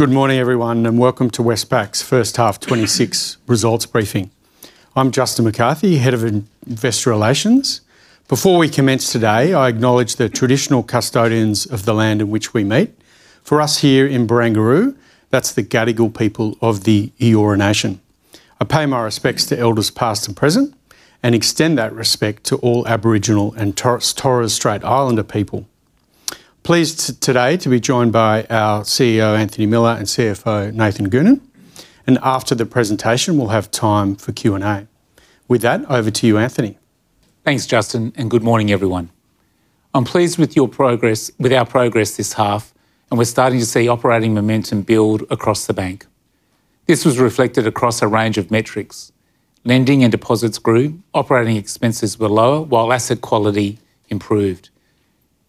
Good morning, everyone, and welcome to Westpac's first half 2026 results briefing. I'm Justin McCarthy, Head of Investor Relations. Before we commence today, I acknowledge the traditional custodians of the land in which we meet. For us here in Barangaroo, that's the Gadigal people of the Eora nation. I pay my respects to elders past and present, and extend that respect to all Aboriginal and Torres Strait Islander people. Pleased today to be joined by our CEO, Anthony Miller, and CFO, Nathan Goonan, and after the presentation, we'll have time for Q&A. With that, over to you, Anthony. Thanks, Justin, and good morning, everyone. I'm pleased with our progress this half, and we're starting to see operating momentum build across the bank. This was reflected across a range of metrics. Lending and deposits grew, operating expenses were lower, while asset quality improved.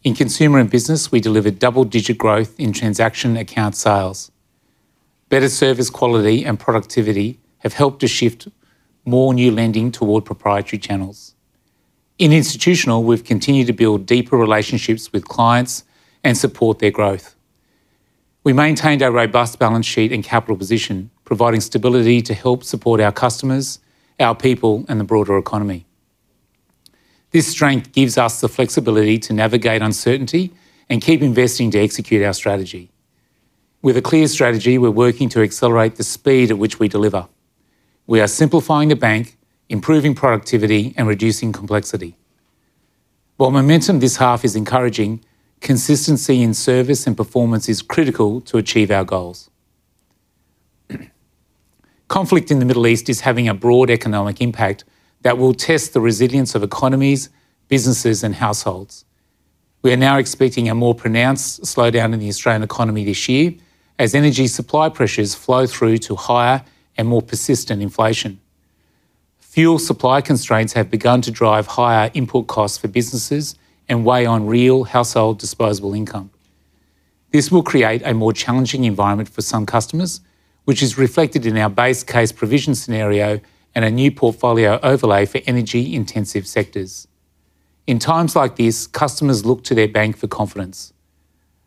In Consumer and Business, we delivered double-digit growth in transaction account sales. Better service quality and productivity have helped to shift more new lending toward proprietary channels. In Institutional, we've continued to build deeper relationships with clients and support their growth. We maintained our robust balance sheet and capital position, providing stability to help support our customers, our people, and the broader economy. This strength gives us the flexibility to navigate uncertainty and keep investing to execute our strategy. With a clear strategy, we're working to accelerate the speed at which we deliver. We are simplifying the bank, improving productivity, and reducing complexity. While momentum this half is encouraging, consistency in service and performance is critical to achieve our goals. Conflict in the Middle East is having a broad economic impact that will test the resilience of economies, businesses, and households. We are now expecting a more pronounced slowdown in the Australian economy this year as energy supply pressures flow through to higher and more persistent inflation. Fuel supply constraints have begun to drive higher input costs for businesses and weigh on real household disposable income. This will create a more challenging environment for some customers, which is reflected in our base case provision scenario and a new portfolio overlay for energy-intensive sectors. In times like this, customers look to their bank for confidence.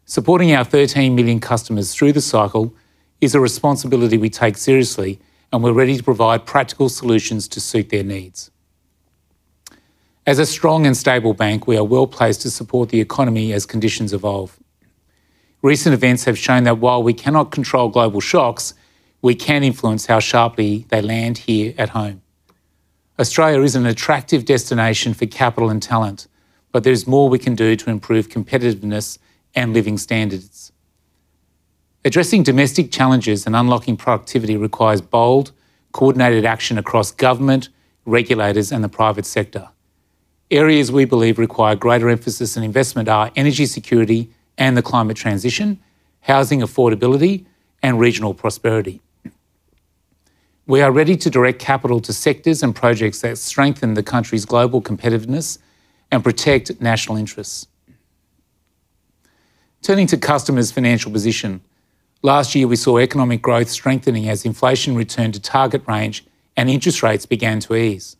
Supporting our 13 million customers through the cycle is a responsibility we take seriously, and we're ready to provide practical solutions to suit their needs. As a strong and stable bank, we are well-placed to support the economy as conditions evolve. Recent events have shown that while we cannot control global shocks, we can influence how sharply they land here at home. Australia is an attractive destination for capital and talent. There's more we can do to improve competitiveness and living standards. Addressing domestic challenges and unlocking productivity requires bold, coordinated action across government, regulators, and the private sector. Areas we believe require greater emphasis and investment are energy security and the climate transition, housing affordability, and regional prosperity. We are ready to direct capital to sectors and projects that strengthen the country's global competitiveness and protect national interests. Turning to customers' financial position, last year we saw economic growth strengthening as inflation returned to target range and interest rates began to ease.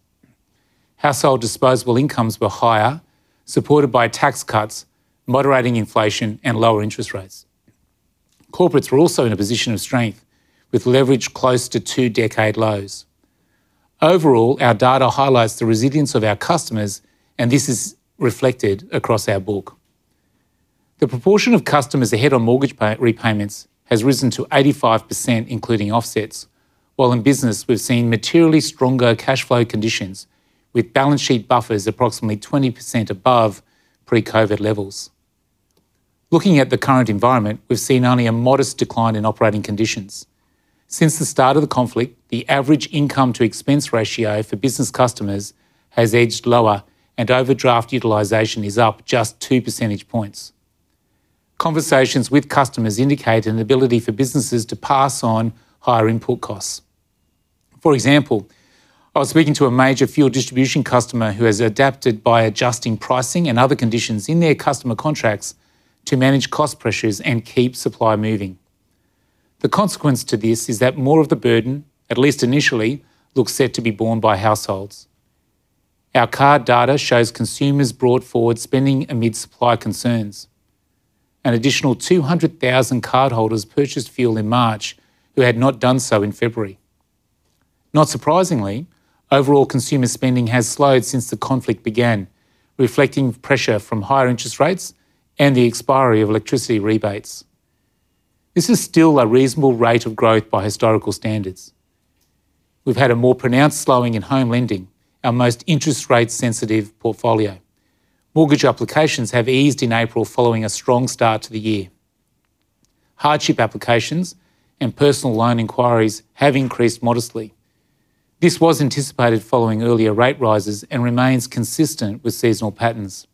Household disposable incomes were higher, supported by tax cuts, moderating inflation, and lower interest rates. Corporates were also in a position of strength, with leverage close to 2-decade lows. Overall, our data highlights the resilience of our customers, and this is reflected across our book. The proportion of customers ahead on mortgage repayments has risen to 85%, including offsets. While in business we've seen materially stronger cash flow conditions with balance sheet buffers approximately 20% above pre-COVID levels. Looking at the current environment, we've seen only a modest decline in operating conditions. Since the start of the conflict, the average income to expense ratio for business customers has edged lower and overdraft utilization is up just 2 percentage points. Conversations with customers indicate an ability for businesses to pass on higher input costs. For example, I was speaking to a major fuel distribution customer who has adapted by adjusting pricing and other conditions in their customer contracts to manage cost pressures and keep supply moving. The consequence to this is that more of the burden, at least initially, looks set to be borne by households. Our card data shows consumers brought forward spending amid supply concerns. An additional 200,000 cardholders purchased fuel in March who had not done so in February. Not surprisingly, overall consumer spending has slowed since the conflict began, reflecting pressure from higher interest rates and the expiry of electricity rebates. This is still a reasonable rate of growth by historical standards. We've had a more pronounced slowing in home lending, our most interest rate sensitive portfolio. Mortgage applications have eased in April following a strong start to the year. Hardship applications and personal loan inquiries have increased modestly. This was anticipated following earlier rate rises and remains consistent with seasonal patterns.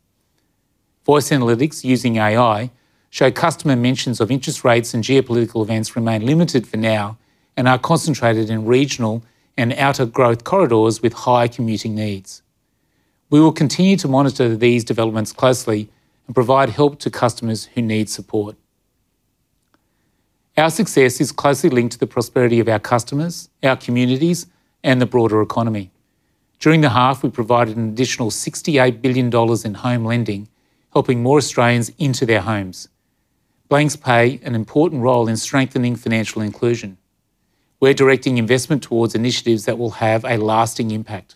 Voice analytics using AI show customer mentions of interest rates and geopolitical events remain limited for now and are concentrated in regional and outer growth corridors with high commuting needs. We will continue to monitor these developments closely and provide help to customers who need support. Our success is closely linked to the prosperity of our customers, our communities, and the broader economy. During the half, we provided an additional 68 billion dollars in home lending, helping more Australians into their homes. Banks play an important role in strengthening financial inclusion. We're directing investment towards initiatives that will have a lasting impact.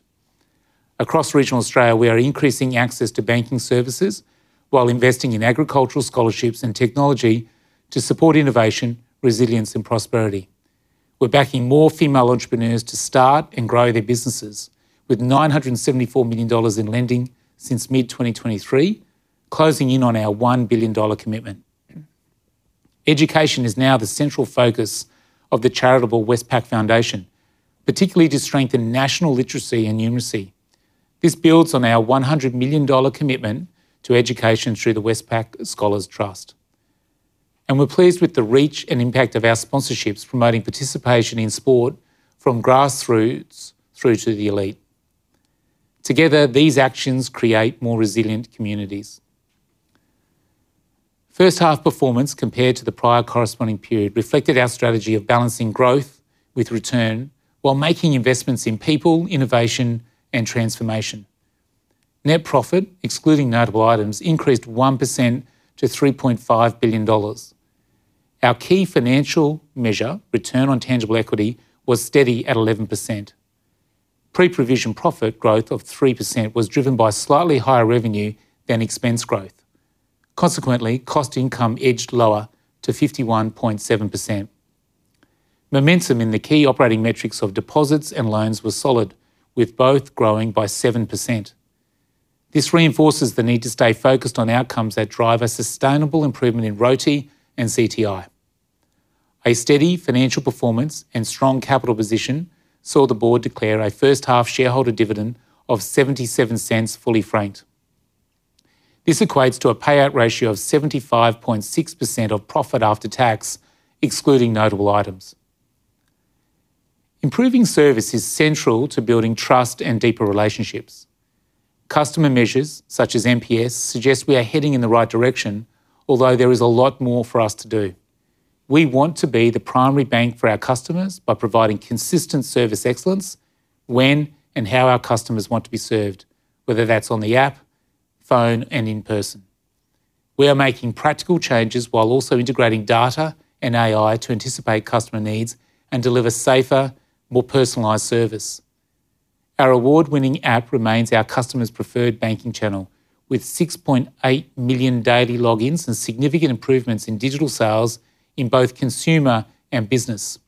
Across regional Australia, we are increasing access to banking services while investing in agricultural scholarships and technology to support innovation, resilience, and prosperity. We're backing more female entrepreneurs to start and grow their businesses with 974 million dollars in lending since mid-2023, closing in on our 1 billion dollar commitment. Education is now the central focus of the charitable Westpac Foundation, particularly to strengthen national literacy and numeracy. This builds on our 100 million dollar commitment to education through the Westpac Scholars Trust. We're pleased with the reach and impact of our sponsorships, promoting participation in sport from grassroots through to the elite. Together, these actions create more resilient communities. First half performance compared to the prior corresponding period reflected our strategy of balancing growth with return while making investments in people, innovation, and transformation. Net profit, excluding notable items, increased 1% to 3.5 billion dollars. Our key financial measure, return on tangible equity, was steady at 11%. Pre-provision profit growth of 3% was driven by slightly higher revenue than expense growth. Consequently, cost income edged lower to 51.7%. Momentum in the key operating metrics of deposits and loans was solid, with both growing by 7%. This reinforces the need to stay focused on outcomes that drive a sustainable improvement in ROTE and CTI. A steady financial performance and strong capital position saw the board declare a first-half shareholder dividend of 0.77 fully franked. This equates to a payout ratio of 75.6% of profit after tax, excluding notable items. Improving service is central to building trust and deeper relationships. Customer measures, such as NPS, suggest we are heading in the right direction, although there is a lot more for us to do. We want to be the primary bank for our customers by providing consistent service excellence when and how our customers want to be served, whether that's on the app, phone, and in person. We are making practical changes while also integrating data and AI to anticipate customer needs and deliver safer, more personalized service. Our award-winning app remains our customers' preferred banking channel, with 6.8 million daily logins and significant improvements in digital sales in both consumer and business.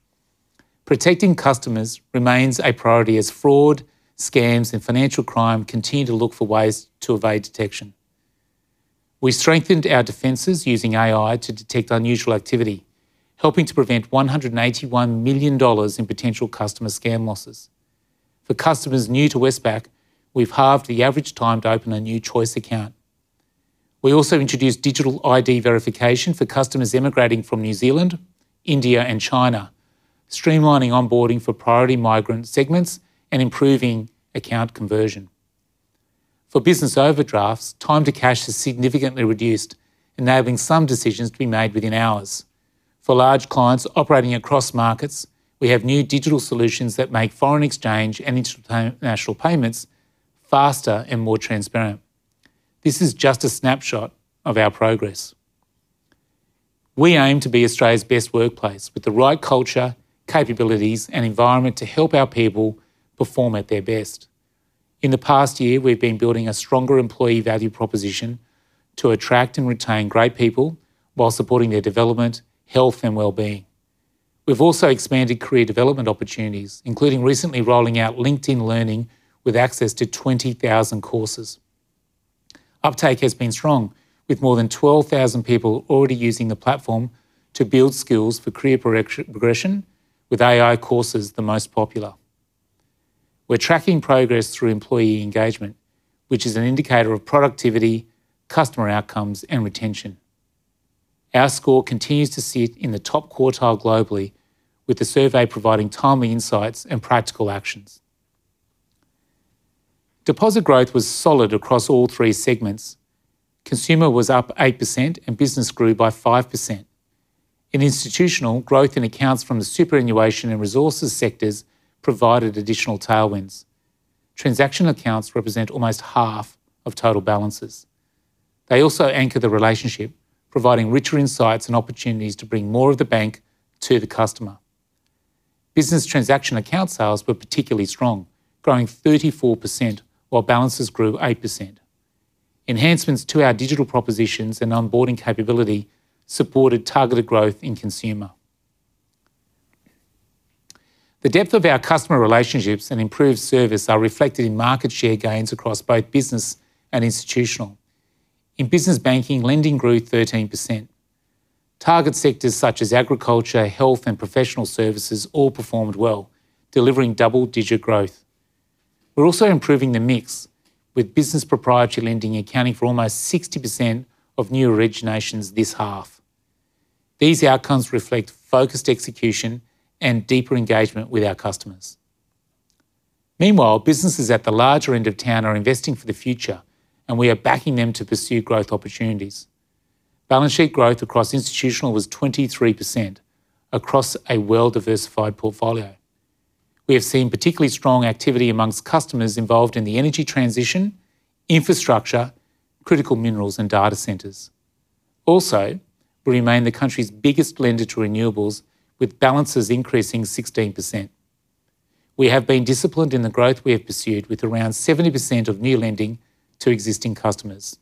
Protecting customers remains a priority as fraud, scams, and financial crime continue to look for ways to evade detection. We strengthened our defenses using AI to detect unusual activity, helping to prevent 181 million dollars in potential customer scam losses. For customers new to Westpac, we've halved the average time to open a new Westpac Choice account. We also introduced digital ID verification for customers immigrating from New Zealand, India, and China, streamlining onboarding for priority migrant segments and improving account conversion. For business overdrafts, time to cash has significantly reduced, enabling some decisions to be made within hours. For large clients operating across markets, we have new digital solutions that make foreign exchange and international payments faster and more transparent. This is just a snapshot of our progress. We aim to be Australia's best workplace with the right culture, capabilities, and environment to help our people perform at their best. In the past year, we've been building a stronger employee value proposition to attract and retain great people while supporting their development, health, and wellbeing. We've also expanded career development opportunities, including recently rolling out LinkedIn Learning with access to 20,000 courses. Uptake has been strong, with more than 12,000 people already using the platform to build skills for career progression, with AI courses the most popular. We're tracking progress through employee engagement, which is an indicator of productivity, customer outcomes, and retention. Our score continues to sit in the top quartile globally, with the survey providing timely insights and practical actions. Deposit growth was solid across all three segments. Consumer was up 8%, and Business grew by 5%. In Institutional, growth in accounts from the superannuation and resources sectors provided additional tailwinds. Transaction accounts represent almost half of total balances. They also anchor the relationship, providing richer insights and opportunities to bring more of the bank to the customer. Business transaction account sales were particularly strong, growing 34% while balances grew 8%. Enhancements to our digital propositions and onboarding capability supported targeted growth in consumer. The depth of our customer relationships and improved service are reflected in market share gains across both Business and Institutional. In Business banking, lending grew 13%. Target sectors such as agriculture, health, and professional services all performed well, delivering double-digit growth. We're also improving the mix with business proprietary lending accounting for almost 60% of new originations this half. These outcomes reflect focused execution and deeper engagement with our customers. Meanwhile, businesses at the larger end of town are investing for the future, and we are backing them to pursue growth opportunities. Balance sheet growth across Institutional was 23% across a well-diversified portfolio. We have seen particularly strong activity amongst customers involved in the energy transition, infrastructure, critical minerals, and data centers. Also, we remain the country's biggest lender to renewables with balances increasing 16%. We have been disciplined in the growth we have pursued with around 70% of new lending to existing customers.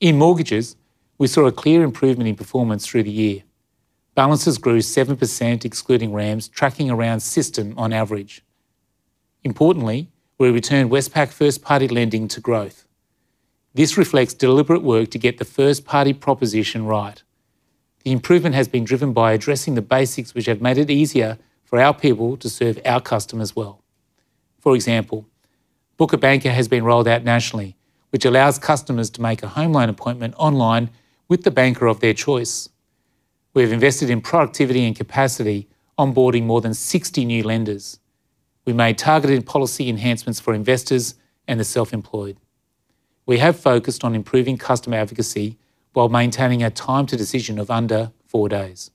In Mortgages, we saw a clear improvement in performance through the year. Balances grew 7% excluding RAMS, tracking around system on average. Importantly, we returned Westpac first-party lending to growth. This reflects deliberate work to get the first-party proposition right. The improvement has been driven by addressing the basics which have made it easier for our people to serve our customers well. For example, Book a Banker has been rolled out nationally, which allows customers to make a home loan appointment online with the banker of their choice. We have invested in productivity and capacity, onboarding more than 60 new lenders. We made targeted policy enhancements for investors and the self-employed. We have focused on improving customer advocacy while maintaining a time to decision of under four days.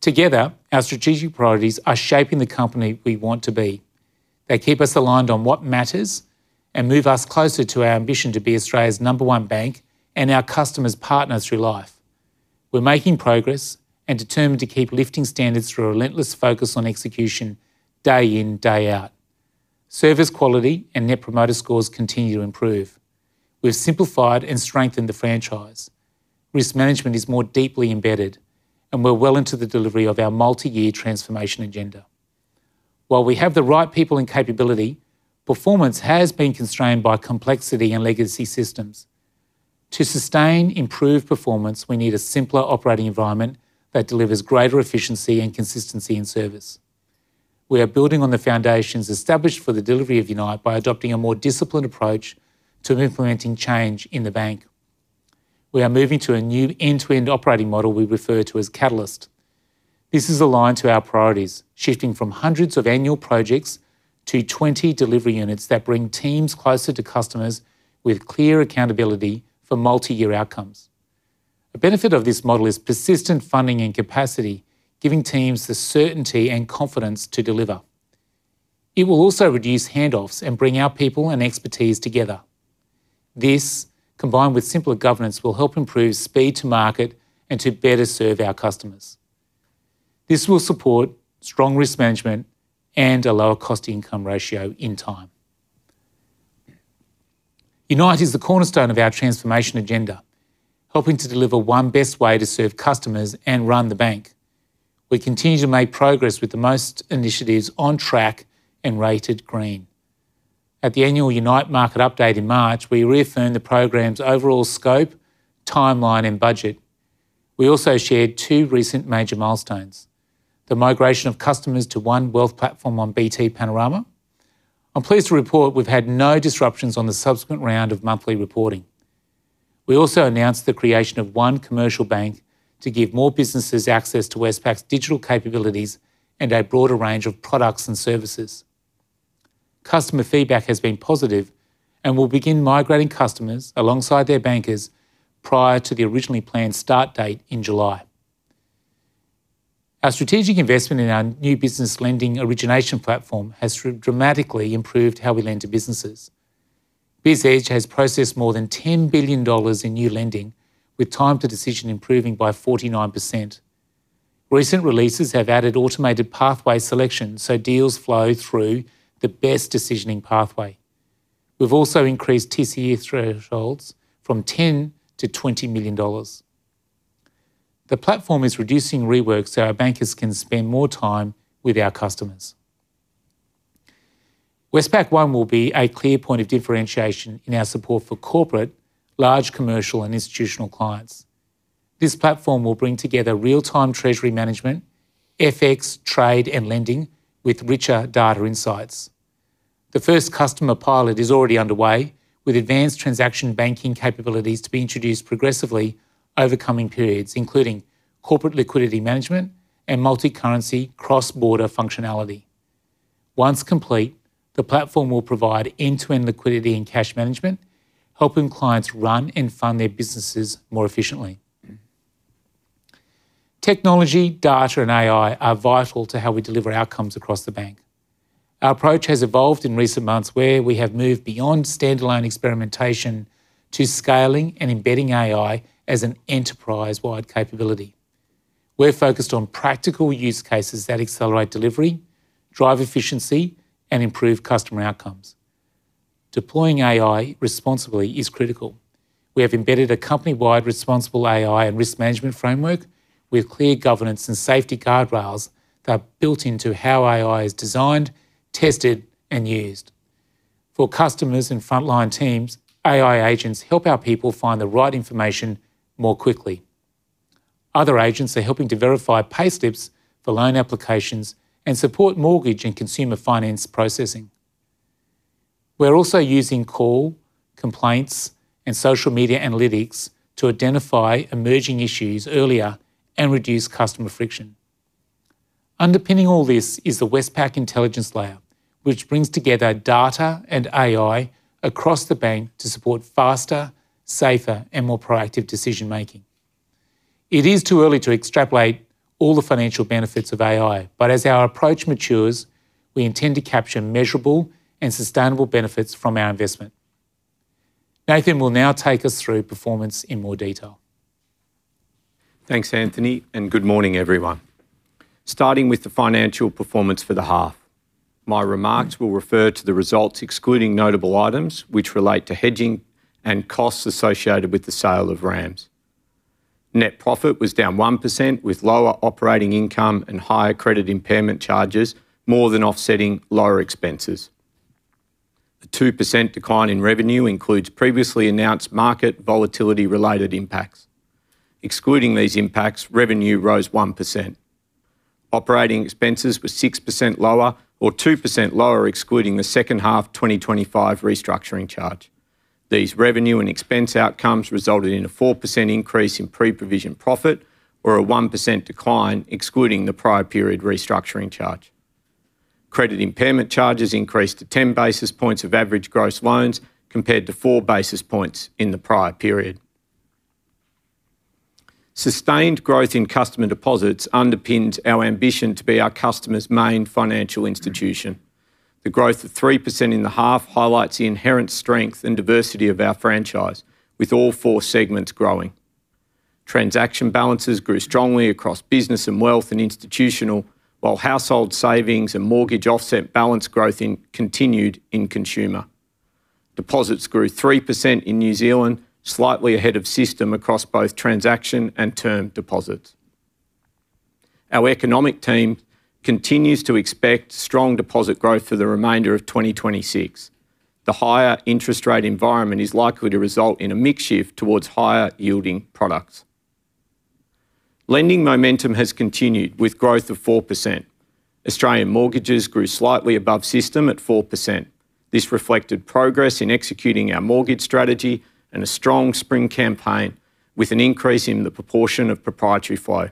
Together, our strategic priorities are shaping the company we want to be. They keep us aligned on what matters and move us closer to our ambition to be Australia's Number 1 Bank and our customers' partners through life. We're making progress and determined to keep lifting standards through a relentless focus on execution day in, day out. Service quality and Net Promoter Scores continue to improve. We've simplified and strengthened the franchise. Risk management is more deeply embedded, and we're well into the delivery of our multi-year transformation agenda. While we have the right people and capability, performance has been constrained by complexity and legacy systems. To sustain improved performance, we need a simpler operating environment that delivers greater efficiency and consistency in service. We are building on the foundations established for the delivery of Unite by adopting a more disciplined approach to implementing change in the bank. We are moving to a new end-to-end operating model we refer to as Catalyst. This is aligned to our priorities, shifting from hundreds of annual projects to 20 delivery units that bring teams closer to customers with clear accountability for multi-year outcomes. The benefit of this model is persistent funding and capacity, giving teams the certainty and confidence to deliver. It will also reduce handoffs and bring our people and expertise together. This, combined with simpler governance, will help improve speed to market and to better serve our customers. This will support strong risk management and a lower cost-to-income ratio in time. Unite is the cornerstone of our transformation agenda, helping to deliver one best way to serve customers and run the bank. We continue to make progress with the most initiatives on track and rated green. At the annual Unite Market Update in March, we reaffirmed the program's overall scope, timeline, and budget. We also shared two recent major milestones, the migration of customers to one wealth platform on BT Panorama. I'm pleased to report we've had no disruptions on the subsequent round of monthly reporting. We also announced the creation of one commercial bank to give more businesses access to Westpac's digital capabilities and a broader range of products and services. Customer feedback has been positive and will begin migrating customers alongside their bankers prior to the originally planned start date in July. Our strategic investment in our new business lending origination platform has dramatically improved how we lend to businesses. BizEdge has processed more than 10 billion dollars in new lending with time to decision improving by 49%. Recent releases have added automated pathway selection, deals flow through the best decisioning pathway. We've also increased TCE thresholds from 10 million-20 million dollars. The platform is reducing reworks so our bankers can spend more time with our customers. Westpac One will be a clear point of differentiation in our support for Corporate, Large Commercial, and Institutional clients. This platform will bring together real-time treasury management, FX, trade, and lending with richer data insights. The first customer pilot is already underway with advanced transaction banking capabilities to be introduced progressively over coming periods, including corporate liquidity management and multi-currency cross-border functionality. Once complete, the platform will provide end-to-end liquidity and cash management, helping clients run and fund their businesses more efficiently. Technology, data, and AI are vital to how we deliver outcomes across the bank. Our approach has evolved in recent months where we have moved beyond standalone experimentation to scaling and embedding AI as an enterprise-wide capability. We're focused on practical use cases that accelerate delivery, drive efficiency, and improve customer outcomes. Deploying AI responsibly is critical. We have embedded a company-wide responsible AI and risk management framework with clear governance and safety guardrails that are built into how AI is designed, tested, and used. For customers and frontline teams, AI agents help our people find the right information more quickly. Other agents are helping to verify pay stubs for loan applications and support mortgage and consumer finance processing. We're also using call, complaints, and social media analytics to identify emerging issues earlier and reduce customer friction. Underpinning all this is the Westpac Intelligence Layer which brings together data and AI across the bank to support faster, safer, and more proactive decision-making. It is too early to extrapolate all the financial benefits of AI, but as our approach matures, we intend to capture measurable and sustainable benefits from our investment. Nathan will now take us through performance in more detail. Thanks, Anthony. Good morning, everyone. Starting with the financial performance for the half. My remarks will refer to the results excluding notable items which relate to hedging and costs associated with the sale of RAMS. Net profit was down 1% with lower operating income and higher credit impairment charges more than offsetting lower expenses. A 2% decline in revenue includes previously announced market volatility-related impacts. Excluding these impacts, revenue rose 1%. Operating expenses were 6% lower or 2% lower, excluding the second half 2025 restructuring charge. These revenue and expense outcomes resulted in a 4% increase in pre-provision profit or a 1% decline excluding the prior period restructuring charge. Credit impairment charges increased to 10 basis points of average gross loans compared to 4 basis points in the prior period. Sustained growth in customer deposits underpins our ambition to be our customers' main financial institution. The growth of 3% in the half highlights the inherent strength and diversity of our franchise with all four segments growing. Transaction balances grew strongly across Business and Wealth and Institutional, while Household Savings and Mortgage offset balance growth continued in Consumer. Deposits grew 3% in New Zealand, slightly ahead of system across both transaction and term deposits. Our economic team continues to expect strong deposit growth for the remainder of 2026. The higher interest rate environment is likely to result in a mix shift towards higher yielding products. Lending momentum has continued with growth of 4%. Australian mortgages grew slightly above system at 4%. This reflected progress in executing our mortgage strategy and a strong spring campaign with an increase in the proportion of proprietary flow.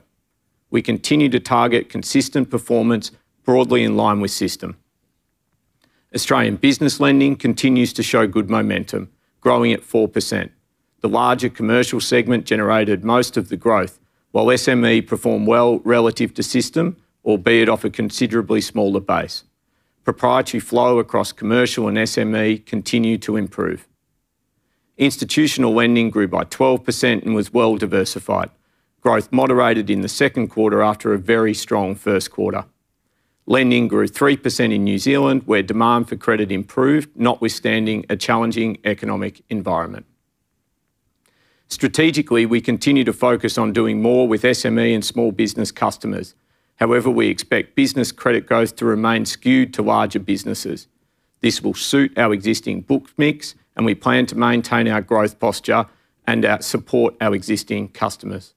We continue to target consistent performance broadly in line with system. Australian business lending continues to show good momentum, growing at 4%. The larger Commercial segment generated most of the growth, while SME performed well relative to system, albeit off a considerably smaller base. Proprietary flow across Commercial and SME continued to improve. Institutional lending grew by 12% and was well-diversified. Growth moderated in the second quarter after a very strong first quarter. Lending grew 3% in New Zealand where demand for credit improved notwithstanding a challenging economic environment. Strategically, we continue to focus on doing more with SME and small business customers. However, we expect business credit growth to remain skewed to larger businesses. This will suit our existing book mix, and we plan to maintain our growth posture and support our existing customers.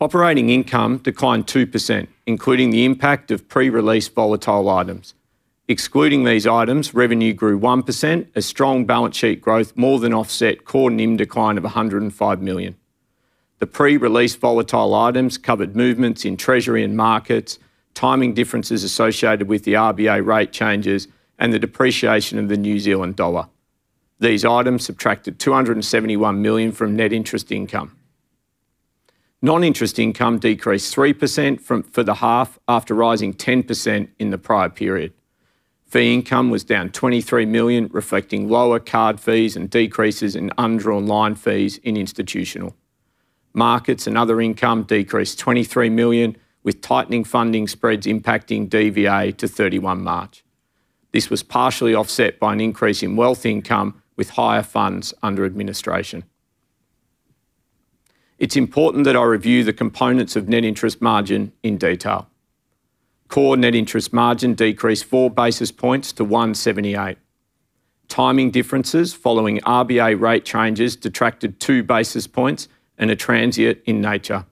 Operating income declined 2%, including the impact of pre-release volatile items. Excluding these items, revenue grew 1% as strong balance sheet growth more than offset core NIM decline of 105 million. The pre-release volatile items covered movements in treasury and markets, timing differences associated with the RBA rate changes, and the depreciation of the NZD. These items subtracted 271 million from net interest income. Non-interest income decreased 3% for the half after rising 10% in the prior period. Fee income was down 23 million, reflecting lower card fees and decreases in undrawn line fees in Institutional. Markets and other income decreased 23 million, with tightening funding spreads impacting DVA to 31 March. This was partially offset by an increase in wealth income with higher funds under administration. It's important that I review the components of net interest margin in detail. Core net interest margin decreased 4 basis points to 178. Timing differences following RBA rate changes detracted 2 basis points and are transient in nature.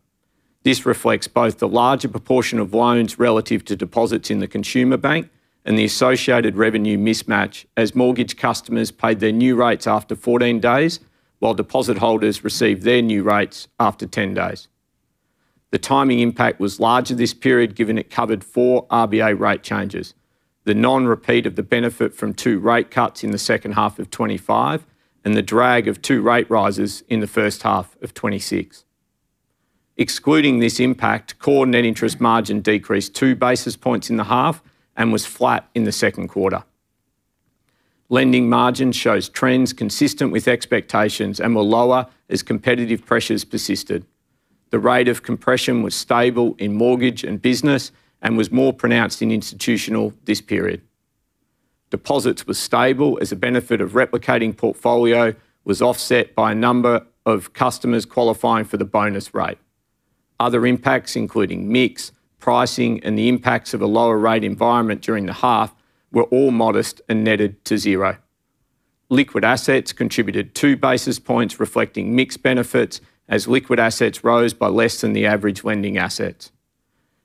This reflects both the larger proportion of loans relative to deposits in the Consumer bank and the associated revenue mismatch as Mortgage customers paid their new rates after 14 days while deposit holders received their new rates after 10 days. The timing impact was larger this period, given it covered four RBA rate changes, the non-repeat of the benefit from two rate cuts in the second half of 2025, and the drag of two rate rises in the first half of 2026. Excluding this impact, core net interest margin decreased 2 basis points in the half and was flat in the second quarter. Lending margin shows trends consistent with expectations and were lower as competitive pressures persisted. The rate of compression was stable in mortgage and business and was more pronounced in Institutional this period. Deposits were stable as a benefit of replicating portfolio was offset by a number of customers qualifying for the bonus rate. Other impacts, including mix, pricing, and the impacts of a lower rate environment during the half were all modest and netted to zero. Liquid assets contributed 2 basis points, reflecting mix benefits as liquid assets rose by less than the average lending assets.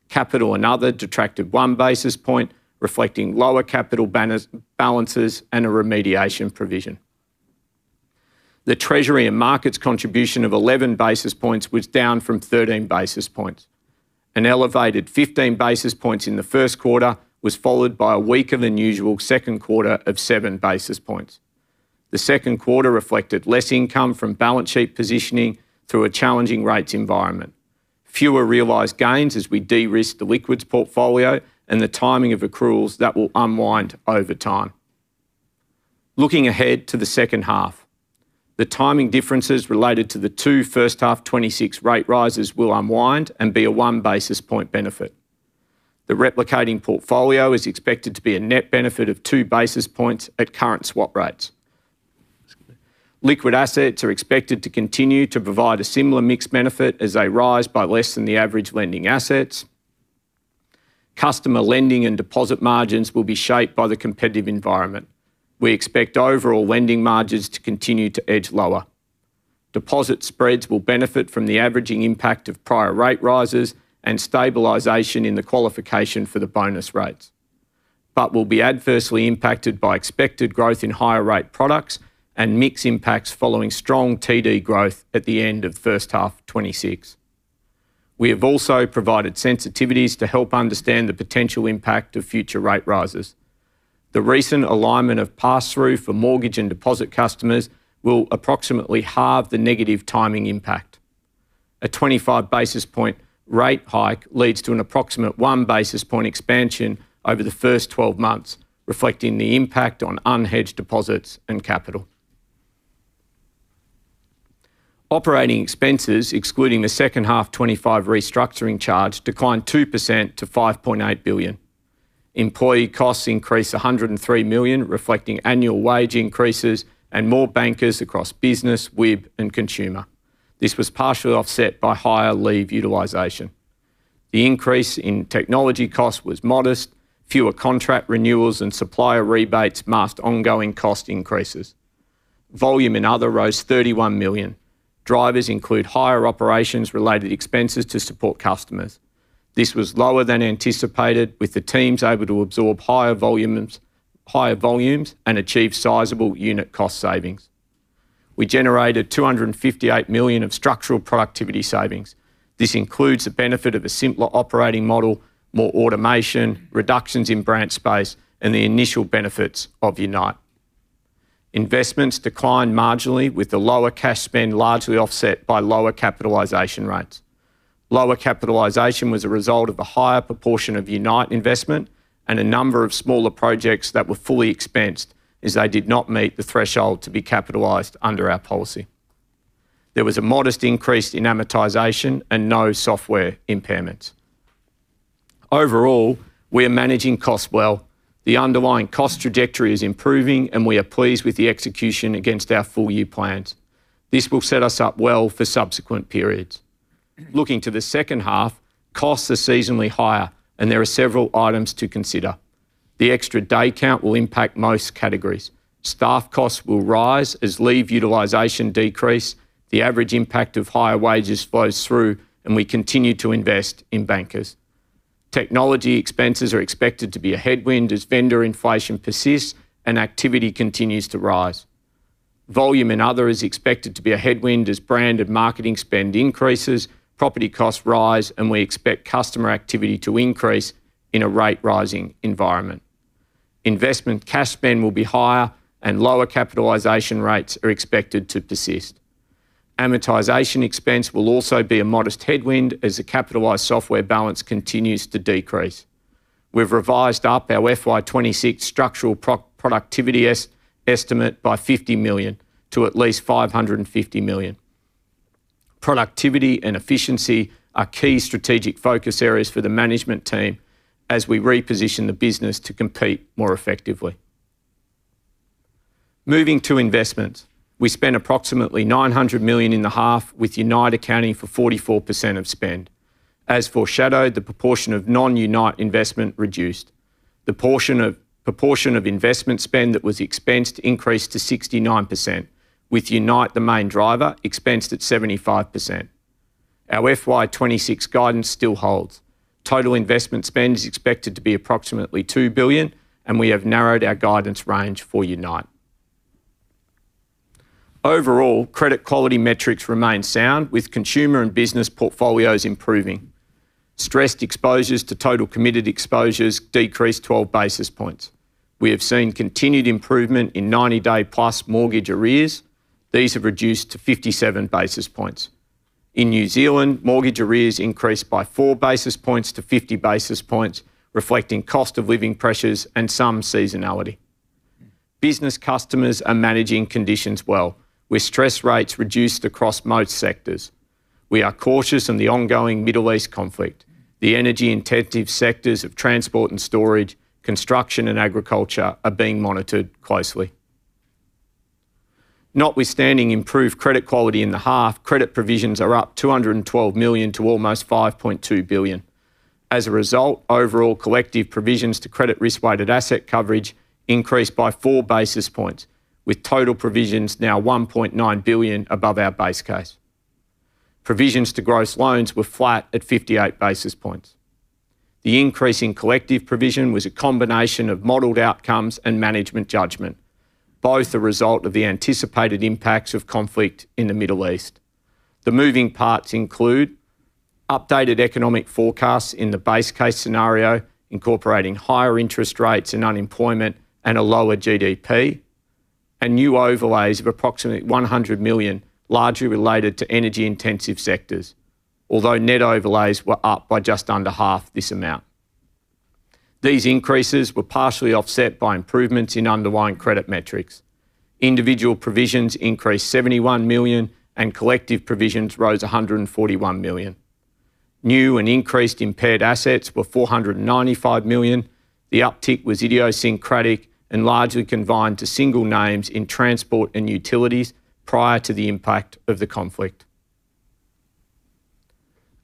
Capital and other detracted 1 basis point, reflecting lower capital balances and a remediation provision. The Treasury and markets contribution of 11 basis points was down from 13 basis points. An elevated 15 basis points in the first quarter was followed by a weaker than usual second quarter of 7 basis points. The second quarter reflected less income from balance sheet positioning through a challenging rates environment, fewer realized gains as we de-risk the liquids portfolio, and the timing of accruals that will unwind over time. Looking ahead to the second half, the timing differences related to the 2-first half 2026 rate rises will unwind and be a 1 basis point benefit. The replicating portfolio is expected to be a net benefit of 2 basis points at current swap rates. Liquid assets are expected to continue to provide a similar mixed benefit as they rise by less than the average lending assets. Customer lending and deposit margins will be shaped by the competitive environment. We expect overall lending margins to continue to edge lower. Deposit spreads will benefit from the averaging impact of prior rate rises and stabilization in the qualification for the bonus rates, but will be adversely impacted by expected growth in higher rate products and mix impacts following strong TD growth at the end of first half 2026. We have also provided sensitivities to help understand the potential impact of future rate rises. The recent alignment of pass-through for mortgage and deposit customers will approximately halve the negative timing impact. A 25 basis point rate hike leads to an approximate 1 basis point expansion over the first 12 months, reflecting the impact on unhedged deposits and capital. Operating expenses, excluding the second half 2025 restructuring charge, declined 2% to 5.8 billion. Employee costs increased 103 million, reflecting annual wage increases and more bankers across business, WIB, and consumer. This was partially offset by higher leave utilization. The increase in technology costs was modest. Fewer contract renewals and supplier rebates masked ongoing cost increases. Volume in other rose 31 million. Drivers include higher operations-related expenses to support customers. This was lower than anticipated, with the teams able to absorb higher volumes and achieve sizable unit cost savings. We generated 258 million of structural productivity savings. This includes the benefit of a simpler operating model, more automation, reductions in branch space, and the initial benefits of Unite. Investments declined marginally, with the lower cash spend largely offset by lower capitalization rates. Lower capitalization was a result of a higher proportion of Unite investment and a number of smaller projects that were fully expensed as they did not meet the threshold to be capitalized under our policy. There was a modest increase in amortization and no software impairments. Overall, we are managing costs well. The underlying cost trajectory is improving, and we are pleased with the execution against our full-year plans. This will set us up well for subsequent periods. Looking to the second half, costs are seasonally higher and there are several items to consider. The extra day count will impact most categories. Staff costs will rise as leave utilization decrease, the average impact of higher wages flows through, and we continue to invest in bankers. Technology expenses are expected to be a headwind as vendor inflation persists and activity continues to rise. Volume in other is expected to be a headwind as brand and marketing spend increases, property costs rise, and we expect customer activity to increase in a rate-rising environment. Investment cash spend will be higher and lower capitalization rates are expected to persist. Amortization expense will also be a modest headwind as the capitalized software balance continues to decrease. We've revised up our FY 2026 structural productivity estimate by 50 million to at least 550 million. Productivity and efficiency are key strategic focus areas for the management team as we reposition the business to compete more effectively. Moving to investments. We spent approximately 900 million in the half, with Unite accounting for 44% of spend. As foreshadowed, the proportion of non-Unite investment reduced. The proportion of investment spend that was expensed increased to 69%, with Unite, the main driver, expensed at 75%. Our FY 2026 guidance still holds. Total investment spend is expected to be approximately 2 billion, we have narrowed our guidance range for Unite. Overall, credit quality metrics remain sound, with consumer and business portfolios improving. Stressed exposures to total committed exposures decreased 12 basis points. We have seen continued improvement in 90-day + mortgage arrears. These have reduced to 57 basis points. In New Zealand, mortgage arrears increased by 4 basis points-50 basis points, reflecting cost of living pressures and some seasonality. Business customers are managing conditions well, with stress rates reduced across most sectors. We are cautious in the ongoing Middle East conflict. The energy-intensive sectors of transport and storage, construction, and agriculture are being monitored closely. Notwithstanding improved credit quality in the half, credit provisions are up 212 million to almost 5.2 billion. As a result, overall collective provisions to credit risk-weighted asset coverage increased by 4 basis points, with total provisions now 1.9 billion above our base case. Provisions to gross loans were flat at 58 basis points. The increase in collective provision was a combination of modeled outcomes and management judgment, both a result of the anticipated impacts of conflict in the Middle East. The moving parts include updated economic forecasts in the base case scenario, incorporating higher interest rates and unemployment and a lower GDP, and new overlays of approximately 100 million, largely related to energy-intensive sectors. Although net overlays were up by just under half this amount. These increases were partially offset by improvements in underlying credit metrics. Individual provisions increased 71 million, and collective provisions rose 141 million. New and increased impaired assets were 495 million. The uptick was idiosyncratic and largely confined to single names in transport and utilities prior to the impact of the conflict.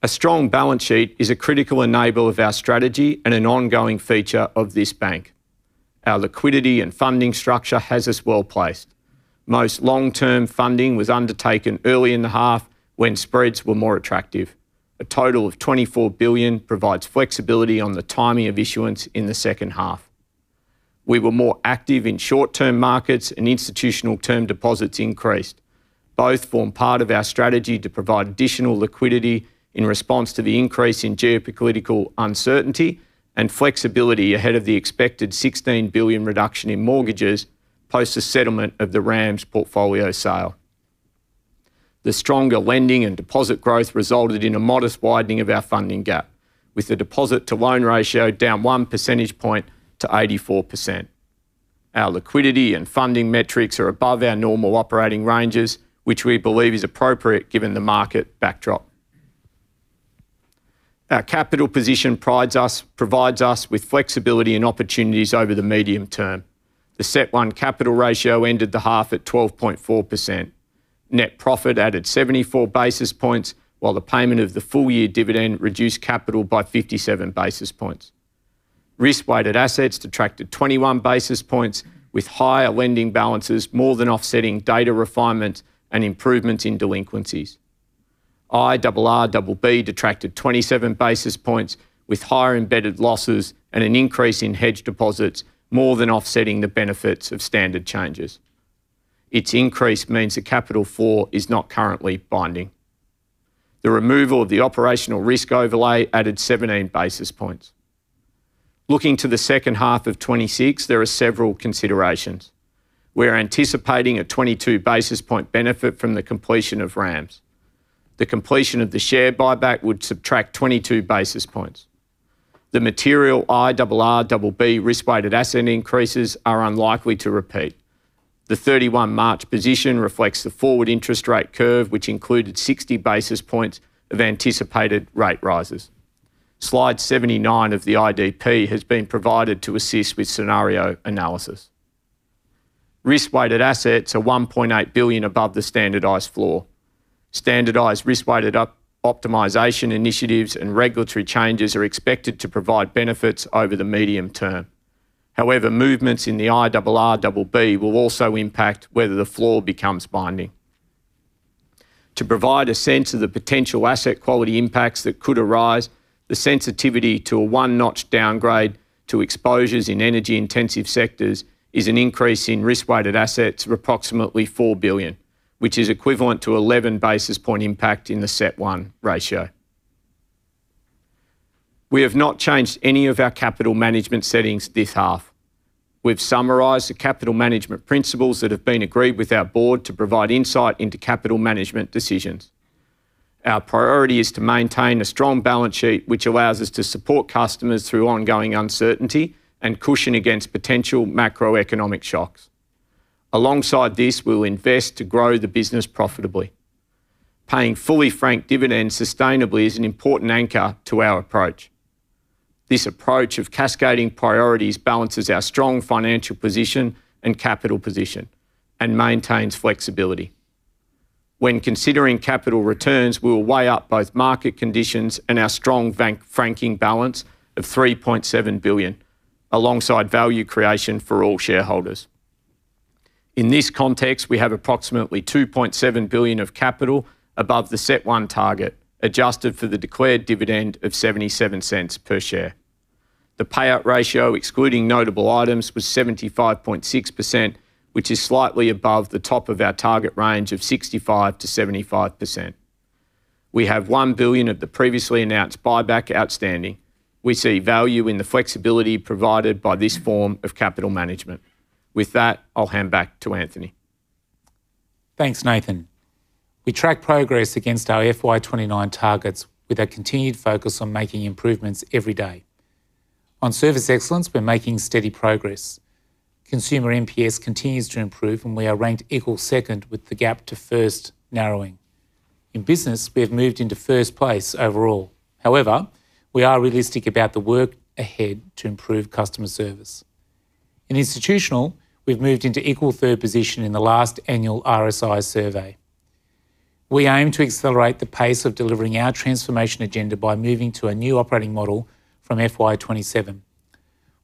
A strong balance sheet is a critical enabler of our strategy and an ongoing feature of this bank. Our liquidity and funding structure has us well-placed. Most long-term funding was undertaken early in the half when spreads were more attractive. A total of 24 billion provides flexibility on the timing of issuance in the second half. We were more active in short-term markets, and institutional term deposits increased. Both form part of our strategy to provide additional liquidity in response to the increase in geopolitical uncertainty and flexibility ahead of the expected 16 billion reduction in mortgages post the settlement of the RAMS portfolio sale. The stronger lending and deposit growth resulted in a modest widening of our funding gap, with the deposit to loan ratio down 1 percentage point to 84%. Our liquidity and funding metrics are above our normal operating ranges, which we believe is appropriate given the market backdrop. Our capital position provides us with flexibility and opportunities over the medium term. The CET1 capital ratio ended the half at 12.4%. Net profit added 74 basis points, while the payment of the full year dividend reduced capital by 57 basis points. Risk-weighted assets detracted 21 basis points, with higher lending balances more than offsetting data refinement and improvements in delinquencies. IRRBB detracted 27 basis points, with higher embedded losses and an increase in hedge deposits more than offsetting the benefits of standard changes. Its increase means the capital for is not currently binding. The removal of the operational risk overlay added 17 basis points. Looking to the second half of 2026, there are several considerations. We're anticipating a 22 basis point benefit from the completion of RAMS. The completion of the share buyback would subtract 22 basis points. The material IRRBB risk-weighted asset increases are unlikely to repeat. The 31 March position reflects the forward interest rate curve, which included 60 basis points of anticipated rate rises. Slide 79 of the IDP has been provided to assist with scenario analysis. Risk-weighted assets are 1.8 billion above the standardized floor. Standardized risk-weighted optimization initiatives and regulatory changes are expected to provide benefits over the medium term. However, movements in the IRRBB will also impact whether the floor becomes binding. To provide a sense of the potential asset quality impacts that could arise, the sensitivity to a one-notch downgrade to exposures in energy-intensive sectors is an increase in risk-weighted assets of approximately 4 billion, which is equivalent to 11 basis point impact in the CET1 ratio. We have not changed any of our capital management settings this half. We've summarized the capital management principles that have been agreed with our Board to provide insight into capital management decisions. Our priority is to maintain a strong balance sheet, which allows us to support customers through ongoing uncertainty and cushion against potential macroeconomic shocks. Alongside this, we'll invest to grow the business profitably. Paying fully franked dividends sustainably is an important anchor to our approach. This approach of cascading priorities balances our strong financial position and capital position and maintains flexibility. When considering capital returns, we will weigh up both market conditions and our strong bank franking balance of 3.7 billion, alongside value creation for all shareholders. In this context, we have approximately 2.7 billion of capital above the CET1 target, adjusted for the declared dividend of 0.77 per share. The payout ratio, excluding notable items, was 75.6%, which is slightly above the top of our target range of 65%-75%. We have 1 billion of the previously announced buyback outstanding. We see value in the flexibility provided by this form of capital management. With that, I'll hand back to Anthony. Thanks, Nathan. We track progress against our FY 2029 targets with a continued focus on making improvements every day. On service excellence, we're making steady progress. Consumer NPS continues to improve, and we are ranked equal second, with the gap to first narrowing. In business, we have moved into first place overall. We are realistic about the work ahead to improve customer service. In Institutional, we've moved into equal third position in the last annual RSI survey. We aim to accelerate the pace of delivering our transformation agenda by moving to a new operating model from FY 2027.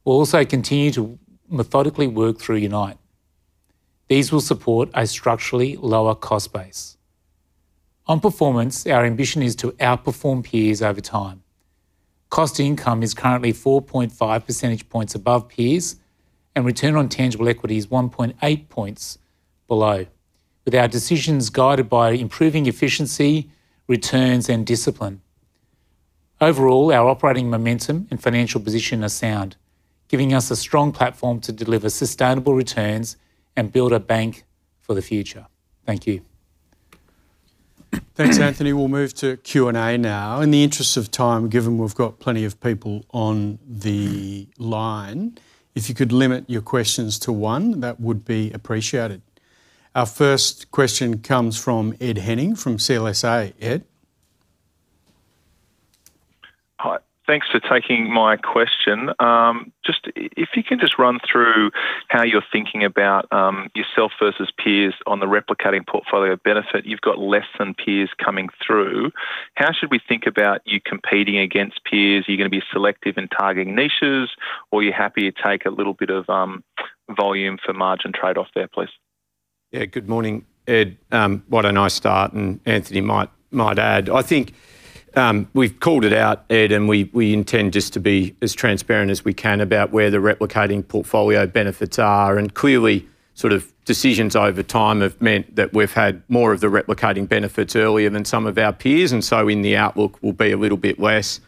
We'll also continue to methodically work through Unite. These will support a structurally lower cost base. On performance, our ambition is to outperform peers over time. Cost to income is currently 4.5 percentage points above peers, and return on tangible equity is 1.8 points below. With our decisions guided by improving efficiency, returns, and discipline. Overall, our operating momentum and financial position are sound, giving us a strong platform to deliver sustainable returns and build a bank for the future. Thank you. Thanks, Anthony. We'll move to Q&A now. In the interest of time, given we've got plenty of people on the line, if you could limit your questions to one, that would be appreciated. Our first question comes from Ed Henning from CLSA. Ed? Hi. Thanks for taking my question. Just if you can just run through how you're thinking about yourself versus peers on the replicating portfolio benefit. You've got less than peers coming through. How should we think about you competing against peers? Are you going to be selective in targeting niches, or are you happy to take a little bit of volume for margin trade-off there, please? Yeah, good morning, Ed. What a nice start, Anthony might add. I think, we've called it out, Ed, we intend just to be as transparent as we can about where the replicating portfolio benefits are. Clearly, sort of decisions over time have meant that we've had more of the replicating benefits earlier than some of our peers, so in the outlook will be a little bit less.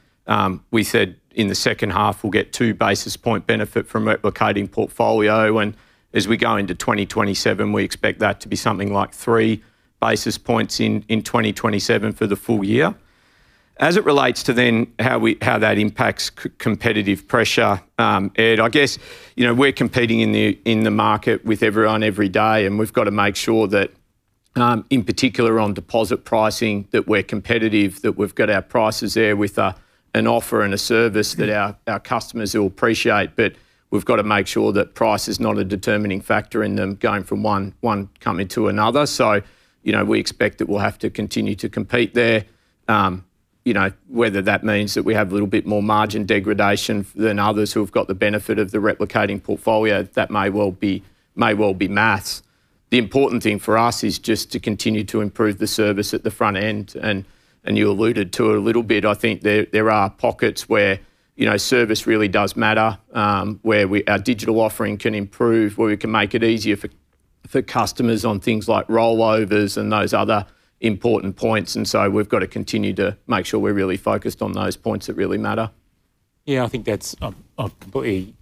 We said in the second half we'll get 2 basis points benefit from replicating portfolio, as we go into 2027, we expect that to be something like 3 basis points in 2027 for the full year. As it relates to how we, how that impacts competitive pressure, Ed, I guess, you know, we're competing in the market with everyone every day, and we've got to make sure that in particular on deposit pricing. That we're competitive, that we've got our prices there with an offer and a service that our customers will appreciate. We've got to make sure that price is not a determining factor in them going from one coming to another. You know, we expect that we'll have to continue to compete there. You know, whether that means that we have a little bit more margin degradation than others who have got the benefit of the replicating portfolio, that may well be math. The important thing for us is just to continue to improve the service at the front end. You alluded to it a little bit. I think there are pockets where, you know, service really does matter. Where our digital offering can improve, where we can make it easier for customers on things like rollovers and those other important points. We've got to continue to make sure we're really focused on those points that really matter. Yeah, I think that's, I completely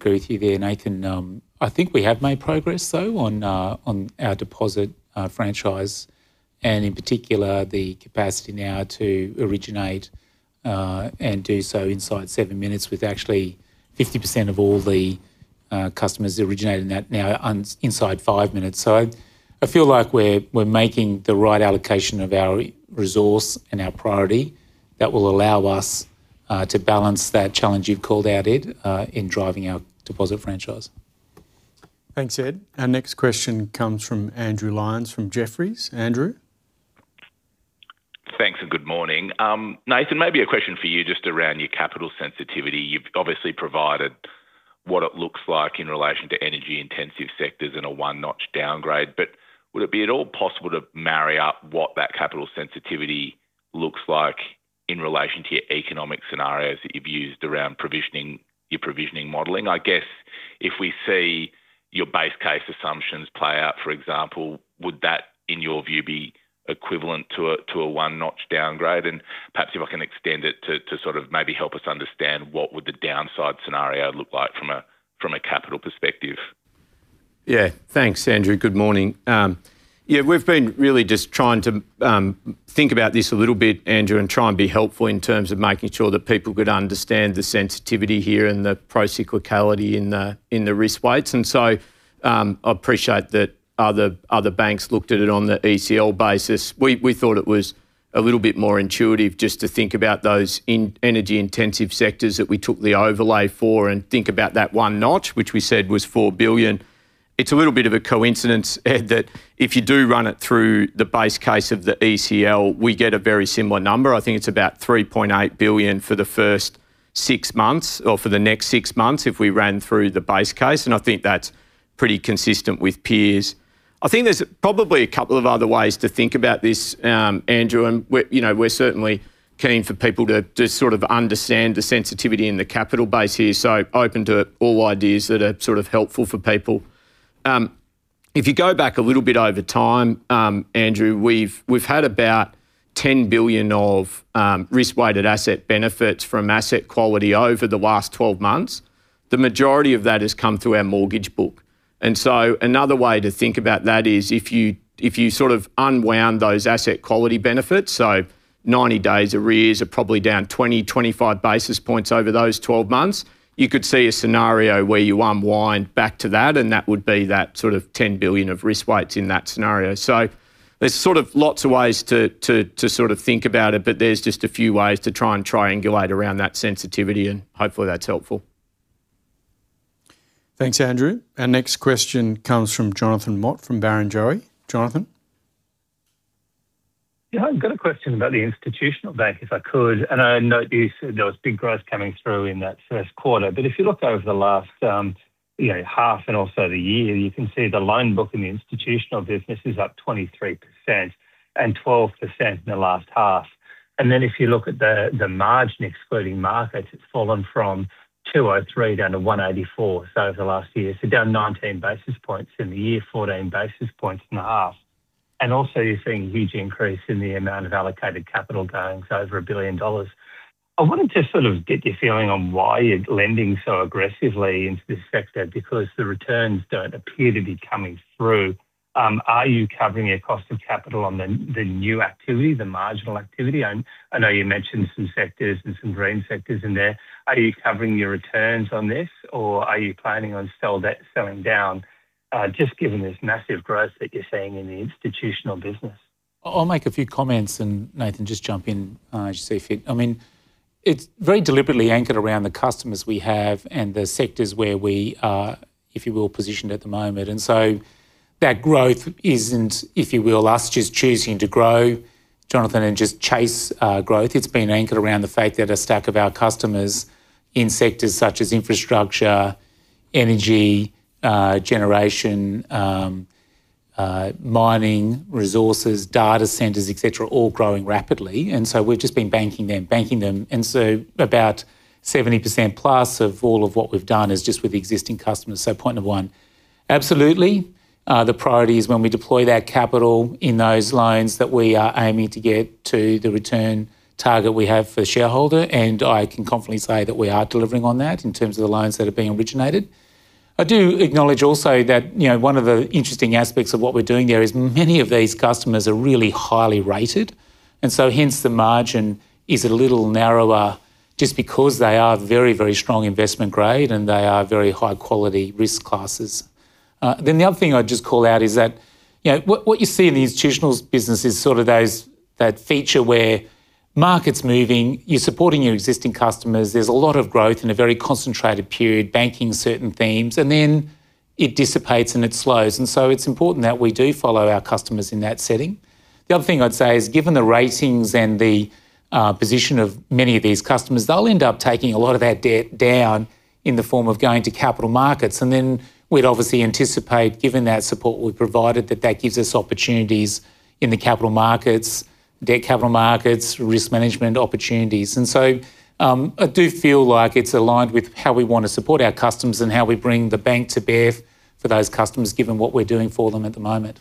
agree with you there, Nathan. I think we have made progress, though, on our deposit franchise and in particular, the capacity now to originate and do so inside 7 minutes with actually 50% of all the customers originating that now on inside 5 minutes. I feel like we're making the right allocation of our resource and our priority that will allow us to balance that challenge you've called out, Ed, in driving our deposit franchise. Thanks, Ed. Our next question comes from Andrew Lyons from Jefferies. Andrew? Thanks and good morning. Nathan, maybe a question for you just around your capital sensitivity. You've obviously provided what it looks like in relation to energy intensive sectors in a one-notch downgrade. Would it be at all possible to marry up what that capital sensitivity looks like in relation to your economic scenarios that you've used around provisioning, your provisioning modeling? I guess if we see your base case assumptions play out, for example, would that, in your view, be equivalent to a one-notch downgrade? Perhaps if I can extend it to sort of maybe help us understand what would the downside scenario look like from a capital perspective. Thanks, Andrew. Good morning. We've been really just trying to think about this a little bit, Andrew, and try and be helpful in terms of making sure that people could understand the sensitivity here and the pro-cyclicality in the risk weights. I appreciate that other banks looked at it on the ECL basis. We thought it was a little bit more intuitive just to think about those energy intensive sectors that we took the overlay for and think about that one notch, which we said was 4 billion. It's a little bit of a coincidence, Ed, that if you do run it through the base case of the ECL, we get a very similar number. I think it's about 3.8 billion for the first 6 months or for the next 6 months if we ran through the base case, and I think that's pretty consistent with peers. I think there's probably a couple of other ways to think about this, Andrew. And we, you know, we're certainly keen for people to sort of understand the sensitivity in the capital base here, so open to all ideas that are sort of helpful for people. If you go back a little bit over time, Andrew, we've had about 10 billion of risk-weighted asset benefits from asset quality over the last 12 months. The majority of that has come through our mortgage book. Another way to think about that is if you, if you sort of unwound those asset quality benefits, 90 days arrears are probably down 20 basis points-25 basis points over those 12 months, you could see a scenario where you unwind back to that, and that would be that sort of 10 billion of risk weights in that scenario. There's sort of lots of ways to sort of think about it, but there's just a few ways to try and triangulate around that sensitivity, and hopefully that's helpful. Thanks, Andrew. Our next question comes from Jonathan Mott from Barrenjoey. Jonathan? Yeah, I've got a question about the Institutional bank, if I could. I note you said there was big growth coming through in that 1st quarter. If you look over the last, you know, half and also the year, you can see the loan book in the Institutional business is up 23% and 12% in the last half. If you look at the margin excluding markets, it's fallen from 203 down to 184, so over the last year. Down 19 basis points in the year, 14 basis points in the half. Also you're seeing huge increase in the amount of allocated capital going, so over 1 billion dollars. I wanted to sort of get your feeling on why you're lending so aggressively into this sector because the returns don't appear to be coming through. Are you covering your cost of capital on the new activity, the marginal activity? I know you mentioned some sectors and some growing sectors in there. Are you covering your returns on this? Or are you planning on selling down, just given this massive growth that you're seeing in the Institutional business? I'll make a few comments and Nathan, just jump in as you see fit. I mean, it's very deliberately anchored around the customers we have and the sectors where we are, if you will, positioned at the moment. That growth isn't, if you will, us just choosing to grow, Jonathan, and just chase growth. It's been anchored around the fact that a stack of our customers in sectors such as infrastructure, energy, generation, mining, resources, data centers, et cetera, all growing rapidly. We've just been banking them. About 70%+ of all of what we've done is just with existing customers. Point number one. Absolutely, the priority is when we deploy that capital in those loans that we are aiming to get to the return target we have for shareholder. I can confidently say that we are delivering on that in terms of the loans that are being originated. I do acknowledge also that, you know, one of the interesting aspects of what we're doing there is many of these customers are really highly rated. Hence the margin is a little narrower just because they are very, very strong investment grade, and they are very high quality risk classes. The other thing I'd just call out is that, you know, what you see in the Institutionals business is sort of those, that feature where market's moving, you're supporting your existing customers, there's a lot of growth in a very concentrated period, banking certain themes, then it dissipates and it slows. It's important that we do follow our customers in that setting. The other thing I'd say is, given the ratings and the position of many of these customers, they'll end up taking a lot of that debt down in the form of going to capital markets. Then we'd obviously anticipate, given that support we've provided, that that gives us opportunities in the capital markets, debt capital markets, risk management opportunities. I do feel like it's aligned with how we want to support our customers and how we bring the bank to bear for those customers, given what we're doing for them at the moment.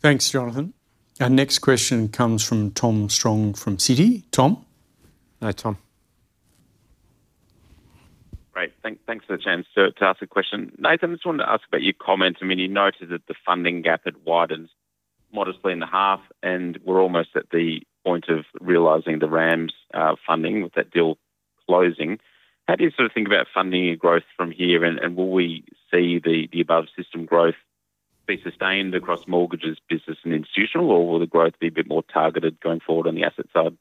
Thanks, Jonathan. Our next question comes from Tom Strong from Citi. Tom? Hi, Tom. Great. Thanks for the chance to ask a question. Nathan, I just wanted to ask about your comments. I mean, you noted that the funding gap had widened modestly in the half, and we're almost at the point of realizing the RAMS funding with that deal closing. How do you sort of think about funding your growth from here, and will we see the above system growth be sustained across Mortgages, Business and Institutional? Or will the growth be a bit more targeted going forward on the asset side?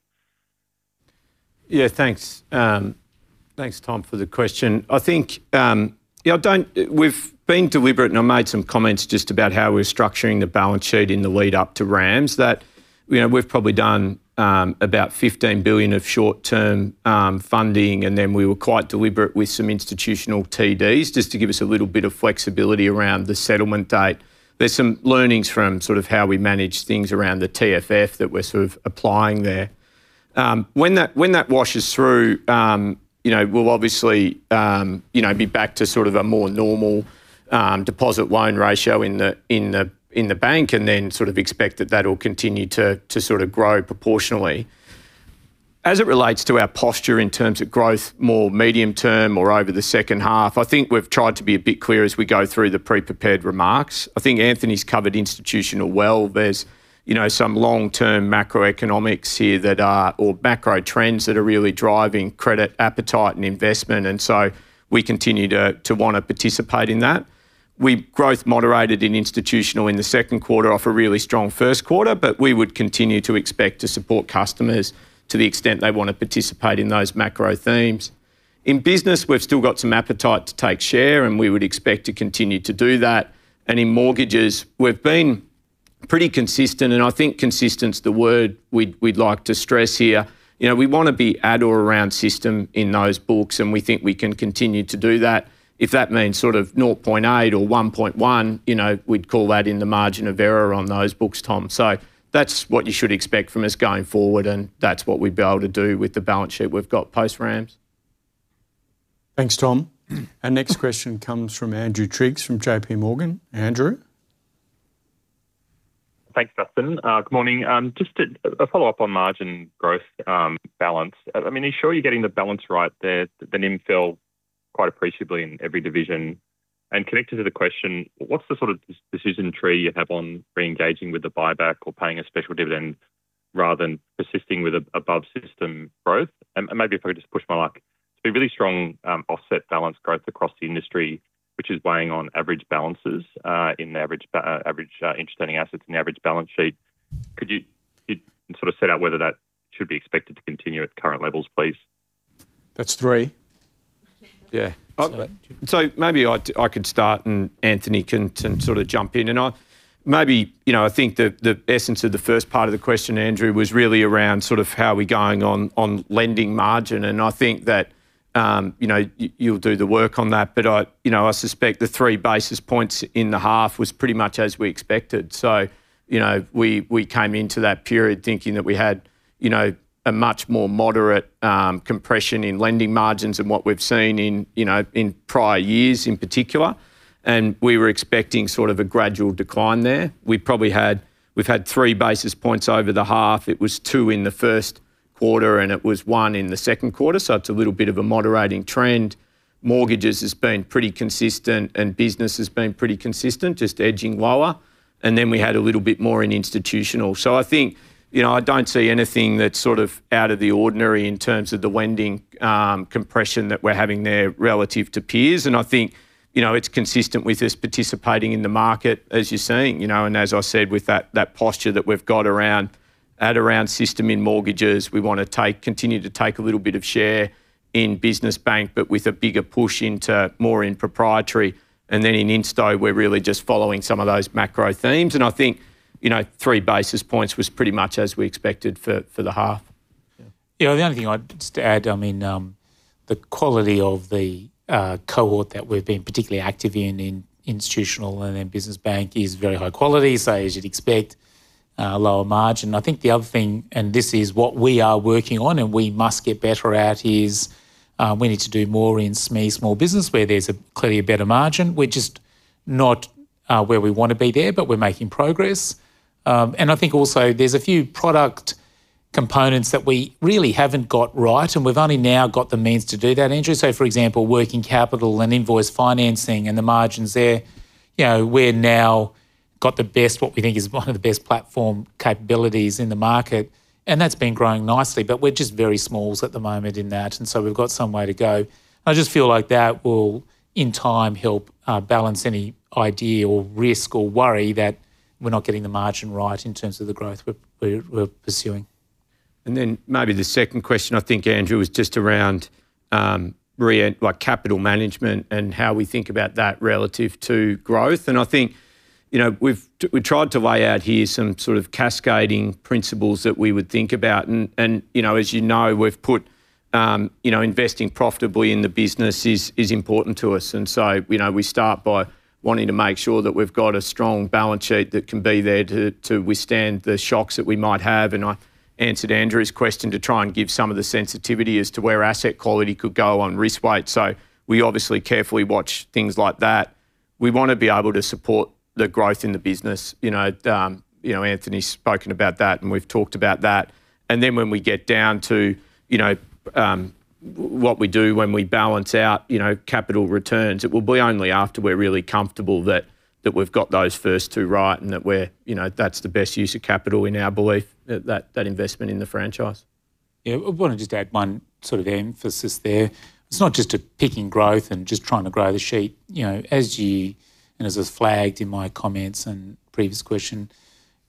Thanks Tom for the question. We've been deliberate, and I made some comments just about how we're structuring the balance sheet in the lead-up to RAMS that, you know, we've probably done about 15 billion of short-term funding, and then we were quite deliberate with some institutional TDs just to give us a little bit of flexibility around the settlement date. There's some learnings from sort of how we manage things around the TFF that we're sort of applying there. When that washes through, you know, we'll obviously, you know, be back to sort of a more normal deposit loan ratio in the bank, and then sort of expect that that'll continue to sort of grow proportionally. As it relates to our posture in terms of growth more medium term or over the second half, I think we've tried to be a bit clear as we go through the pre-prepared remarks. I think Anthony's covered Institutional well. There's, you know, some long-term macroeconomics here that are, or macro trends that are really driving credit appetite and investment. We continue to want to participate in that. We growth moderated in Institutional in the second quarter off a really strong first quarter, but we would continue to expect to support customers to the extent they want to participate in those macro themes. In Business, we've still got some appetite to take share, and we would expect to continue to do that. In Mortgages, we've been pretty consistent, and I think consistent is the word we'd like to stress here. You know, we want to be at or around system in those books, and we think we can continue to do that. If that means sort of 0.8 or 1.1, you know, we'd call that in the margin of error on those books, Tom. That's what you should expect from us going forward, and that's what we'd be able to do with the balance sheet we've got post RAMS. Thanks, Tom. Our next question comes from Andrew Triggs from JPMorgan. Andrew? Thanks, Justin. Good morning. Just a follow-up on margin growth, balance. I mean, are you sure you're getting the balance right there? The NIM fell quite appreciably in every division. Connected to the question, what's the sort of decision tree you have on re-engaging with the buyback or paying a special dividend rather than persisting with a above system growth? Maybe if I could just push more luck, it's been really strong, offset balance growth across the industry, which is weighing on average balances, in the average interest earning assets and the average balance sheet. Could you sort of set out whether that should be expected to continue at current levels, please? That's three. Yeah. Maybe I could start and Anthony can sort of jump in. I maybe, you know, I think the essence of the first part of the question, Andrew, was really around sort of how we going on lending margin, and I think that, you know, you'll do the work on that. I, you know, I suspect the 3 basis points in the half was pretty much as we expected. You know, we came into that period thinking that we had, you know, a much more moderate compression in lending margins than what we've seen in, you know, in prior years in particular, and we were expecting sort of a gradual decline there. We've had 3 basis points over the half. It was 2 basis points in the first quarter, and it was 1 basis point in the second quarter. It's a little bit of a moderating trend. Mortgages has been pretty consistent, and Business has been pretty consistent, just edging lower. Then we had a little bit more in Institutional. I think, you know, I don't see anything that's sort of out of the ordinary in terms of the lending compression that we're having there relative to peers. I think, you know, it's consistent with us participating in the market as you're seeing. You know, as I said, with that posture that we've got around, at around system in Mortgages, we want to continue to take a little bit of share in Business bank, but with a bigger push into more in proprietary. Then in Institutional, we're really just following some of those macro themes. I think, you know, 3 basis points was pretty much as we expected for the half. The only thing I'd just add, I mean, the quality of the cohort that we've been particularly active in Institutional and in Business bank is very high quality. As you'd expect, lower margin. I think the other thing, and this is what we are working on and we must get better at, is we need to do more in small business where there's clearly a better margin. We're just not where we want to be there, but we're making progress. I think also there's a few product components that we really haven't got right, and we've only now got the means to do that, Andrew. For example, working capital and invoice financing and the margins there, you know, we're now got the best. What we think is one of the best platform capabilities in the market, and that's been growing nicely, but we're just very small at the moment in that, and so we've got some way to go. I just feel like that will, in time, help balance any idea or risk or worry that we're not getting the margin right in terms of the growth we're pursuing. Then maybe the second question, I think, Andrew, is just around like capital management and how we think about that relative to growth. I think, you know, we tried to lay out here some sort of cascading principles that we would think about and, you know, as you know, we've put, you know, investing profitably in the business is important to us. So, you know, we start by wanting to make sure that we've got a strong balance sheet that can be there to withstand the shocks that we might have. I answered Andrew's question to try and give some of the sensitivity as to where asset quality could go on risk weight. We obviously carefully watch things like that. We want to be able to support the growth in the business. You know, Anthony's spoken about that, and we've talked about that. When we get down to, you know, what we do when we balance out, you know, capital returns. It will be only after we're really comfortable that we've got those first two right and that we're, you know, that's the best use of capital in our belief, that investment in the franchise. Yeah. I want to just add one sort of emphasis there. It's not just a picking growth and just trying to grow the sheet. You know, as you, and as is flagged in my comments and previous question.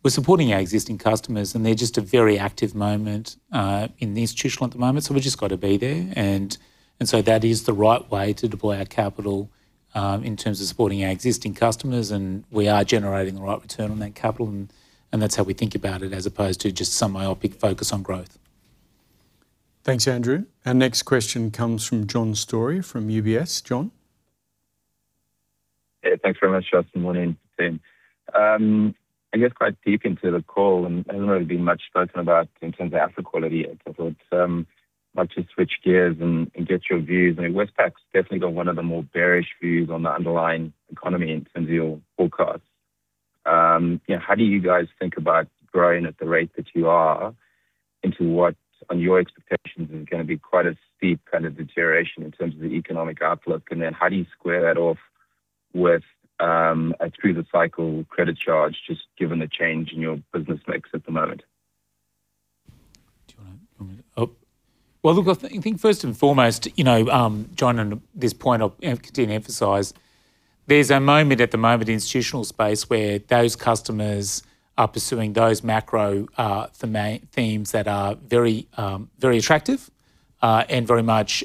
We're supporting our existing customers, and they're just a very active moment in the Institutional at the moment, so we've just got to be there. That is the right way to deploy our capital in terms of supporting our existing customers. And we are generating the right return on that capital and that's how we think about it, as opposed to just some myopic focus on growth. Thanks, Andrew. Our next question comes from John Storey from UBS. John. Yeah, thanks very much, Justin. Morning, team. I guess quite deep into the call, hasn't really been much spoken about in terms of asset quality yet. I thought, like to switch gears and get your views. I mean, Westpac's definitely got one of the more bearish views on the underlying economy in terms of your forecast. You know, how do you guys think about growing at the rate that you are into what, on your expectations, is going to be quite a steep kind of deterioration in terms of the economic outlook? How do you square that off with a through the cycle credit charge, just given the change in your business mix at the moment? Well, look, I think first and foremost, you know, John, on this point, I'll continue to emphasize, there's a moment at the moment in institutional space where those customers are pursuing those macro themes that are very very attractive and very much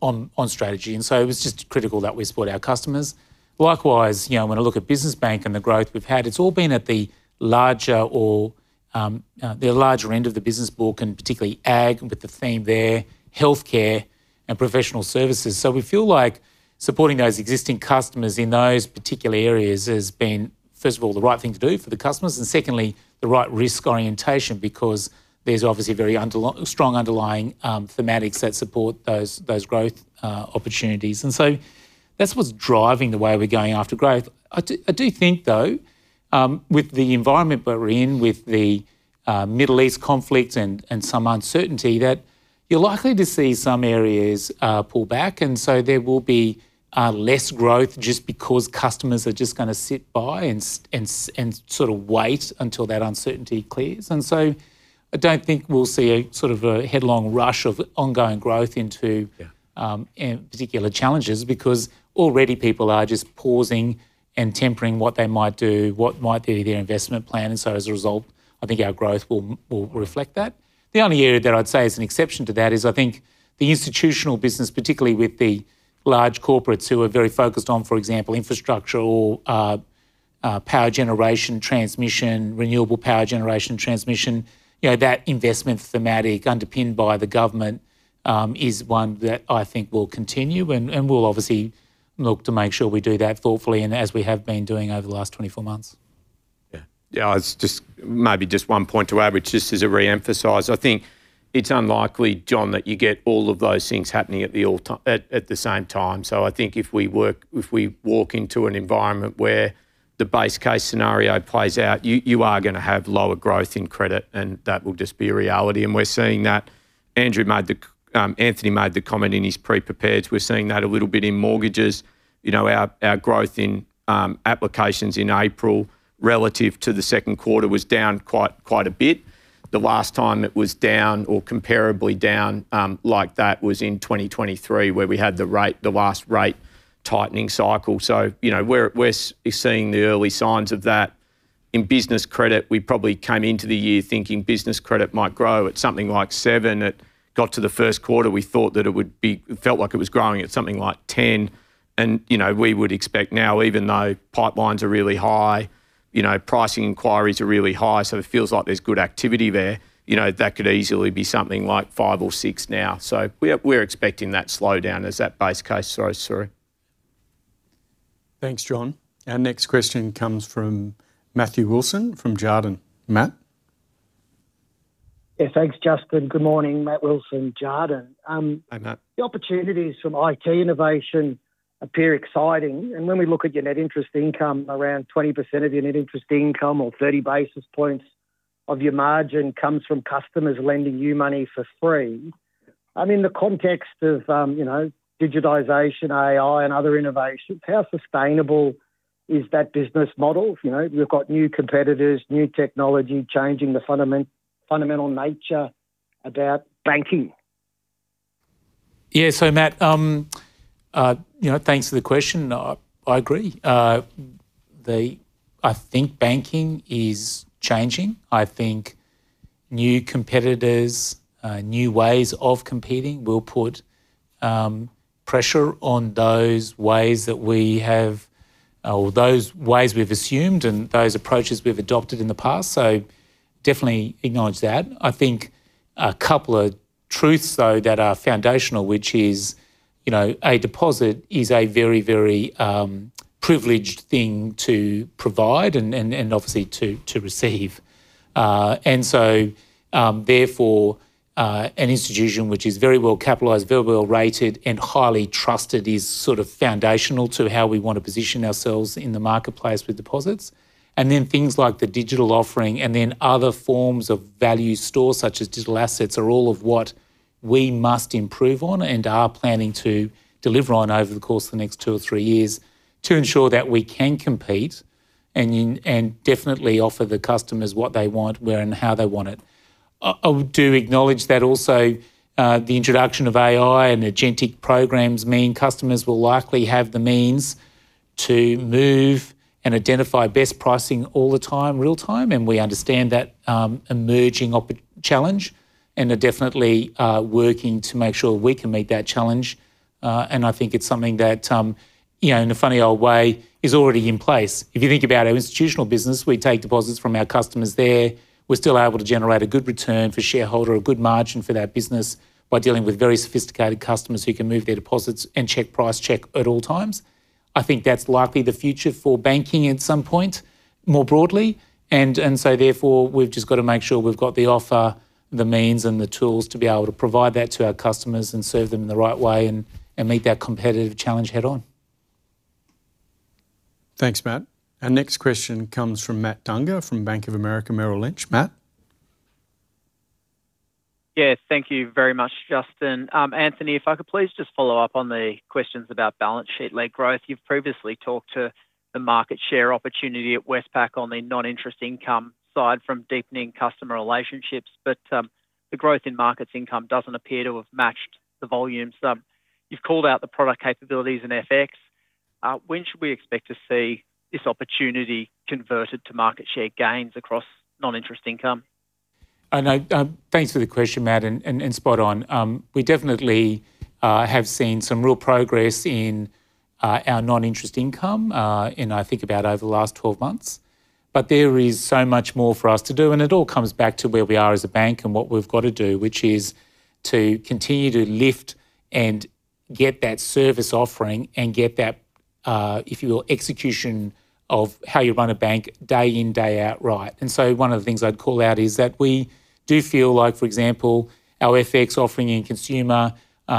on strategy. It was just critical that we support our customers. Likewise, you know, when I look at business bank and the growth we've had, it's all been at the larger end of the business book, and particularly ag, with the theme there, healthcare and professional services. We feel like supporting those existing customers in those particular areas has been, first of all, the right thing to do for the customers, and secondly, the right risk orientation because there's obviously very strong underlying thematics that support those growth opportunities. That's what's driving the way we're going after growth. I do think, though, with the environment that we're in with the Middle East conflict and some uncertainty, that you're likely to see some areas pull back. And there will be less growth just because customers are just gonna sit by and sort of wait until that uncertainty clears. I don't think we'll see a sort of a headlong rush of ongoing growth into particular challenges because already people are just pausing and tempering what they might do, what might be their investment plan. As a result, I think our growth will reflect that. The only area that I'd say is an exception to that is I think the Institutional business, particularly with the large corporates who are very focused on, for example, infrastructure or power generation transmission, renewable power generation transmission. You know, that investment thematic underpinned by the government is one that I think will continue. And we'll obviously look to make sure we do that thoughtfully and as we have been doing over the last 24 months. Maybe one point to add, which just as a reemphasize, I think it's unlikely, John, that you get all of those things happening at the same time. I think if we walk into an environment where the base case scenario plays out, you are going to have lower growth in credit and that will just be a reality. We're seeing that. Anthony made the comment in his preprepared. We're seeing that a little bit in mortgages. You know, our growth in applications in April relative to the second quarter was down quite a bit. The last time it was down or comparably down like that was in 2023 where we had the last rate tightening cycle. You know, we're seeing the early signs of that. In business credit, we probably came into the year thinking business credit might grow at something like 7%. It got to the first quarter, we thought that it would be. It felt like it was growing at something like 10% and, you know, we would expect now, even though pipelines are really high, you know, pricing inquiries are really high, so it feels like there's good activity there. You know, that could easily be something like 5% or 6% now. We're expecting that slowdown as that base case. Sorry. Thanks, John. Our next question comes from Matthew Wilson from Jarden. Matt? Yeah, thanks Justin. Good morning. Matt Wilson, Jarden. Hey, Matt. The opportunities from IT innovation appear exciting. When we look at your net interest income, around 20% of your net interest income or 30 basis points of your margin comes from customers lending you money for free. In the context of, you know, digitization, AI, and other innovations, how sustainable is that business model? You know, you've got new competitors, new technology changing the fundamental nature about banking. Yeah. Matt, you know, thanks for the question. I agree. I think banking is changing. I think new competitors, new ways of competing will put pressure on those ways that we have or those ways we've assumed and those approaches we've adopted in the past. Definitely acknowledge that. I think a couple of truths though that are foundational, which is, you know, a deposit is a very privileged thing to provide and obviously to receive. Therefore, an institution which is very well capitalized, very well rated, and highly trusted is sort of foundational to how we want to position ourselves in the marketplace with deposits. Things like the digital offering and then other forms of value stores such as digital assets are all of what we must improve on and are planning to deliver on over the course of the next 2 years or 3 years to ensure that we can compete and definitely offer the customers what they want, where and how they want it. I do acknowledge that also, the introduction of AI and agentic programs mean customers will likely have the means to move and identify best pricing all the time, real time, and we understand that, emerging challenge and are definitely working to make sure we can meet that challenge. I think it's something that, you know, in a funny old way is already in place. If you think about our Institutional business, we take deposits from our customers there. We're still able to generate a good return for shareholder, a good margin for that business by dealing with very sophisticated customers who can move their deposits and check price, check at all times. I think that's likely the future for banking at some point more broadly. Therefore, we've just got to make sure we've got the offer, the means and the tools to be able to provide that to our customers and serve them in the right way and meet that competitive challenge head on. Thanks, Matt. Our next question comes from Matt Dunger from Bank of America Merrill Lynch. Matt? Thank you very much, Justin. Anthony, if I could please just follow up on the questions about balance sheet led growth. You've previously talked to the market share opportunity at Westpac on the non-interest income side from deepening customer relationships. The growth in markets income doesn't appear to have matched the volumes. You've called out the product capabilities in FX. When should we expect to see this opportunity converted to market share gains across non-interest income? Thanks for the question, Matt, and spot on. We definitely have seen some real progress in our non-interest income in, I think, about over the last 12 months. There is so much more for us to do, and it all comes back to where we are as a bank and what we've got to do. Which is to continue to lift and get that service offering and get that, if you will, execution of how you run a bank day in, day out, right. One of the things I'd call out is that we do feel like, for example, our FX offering in consumer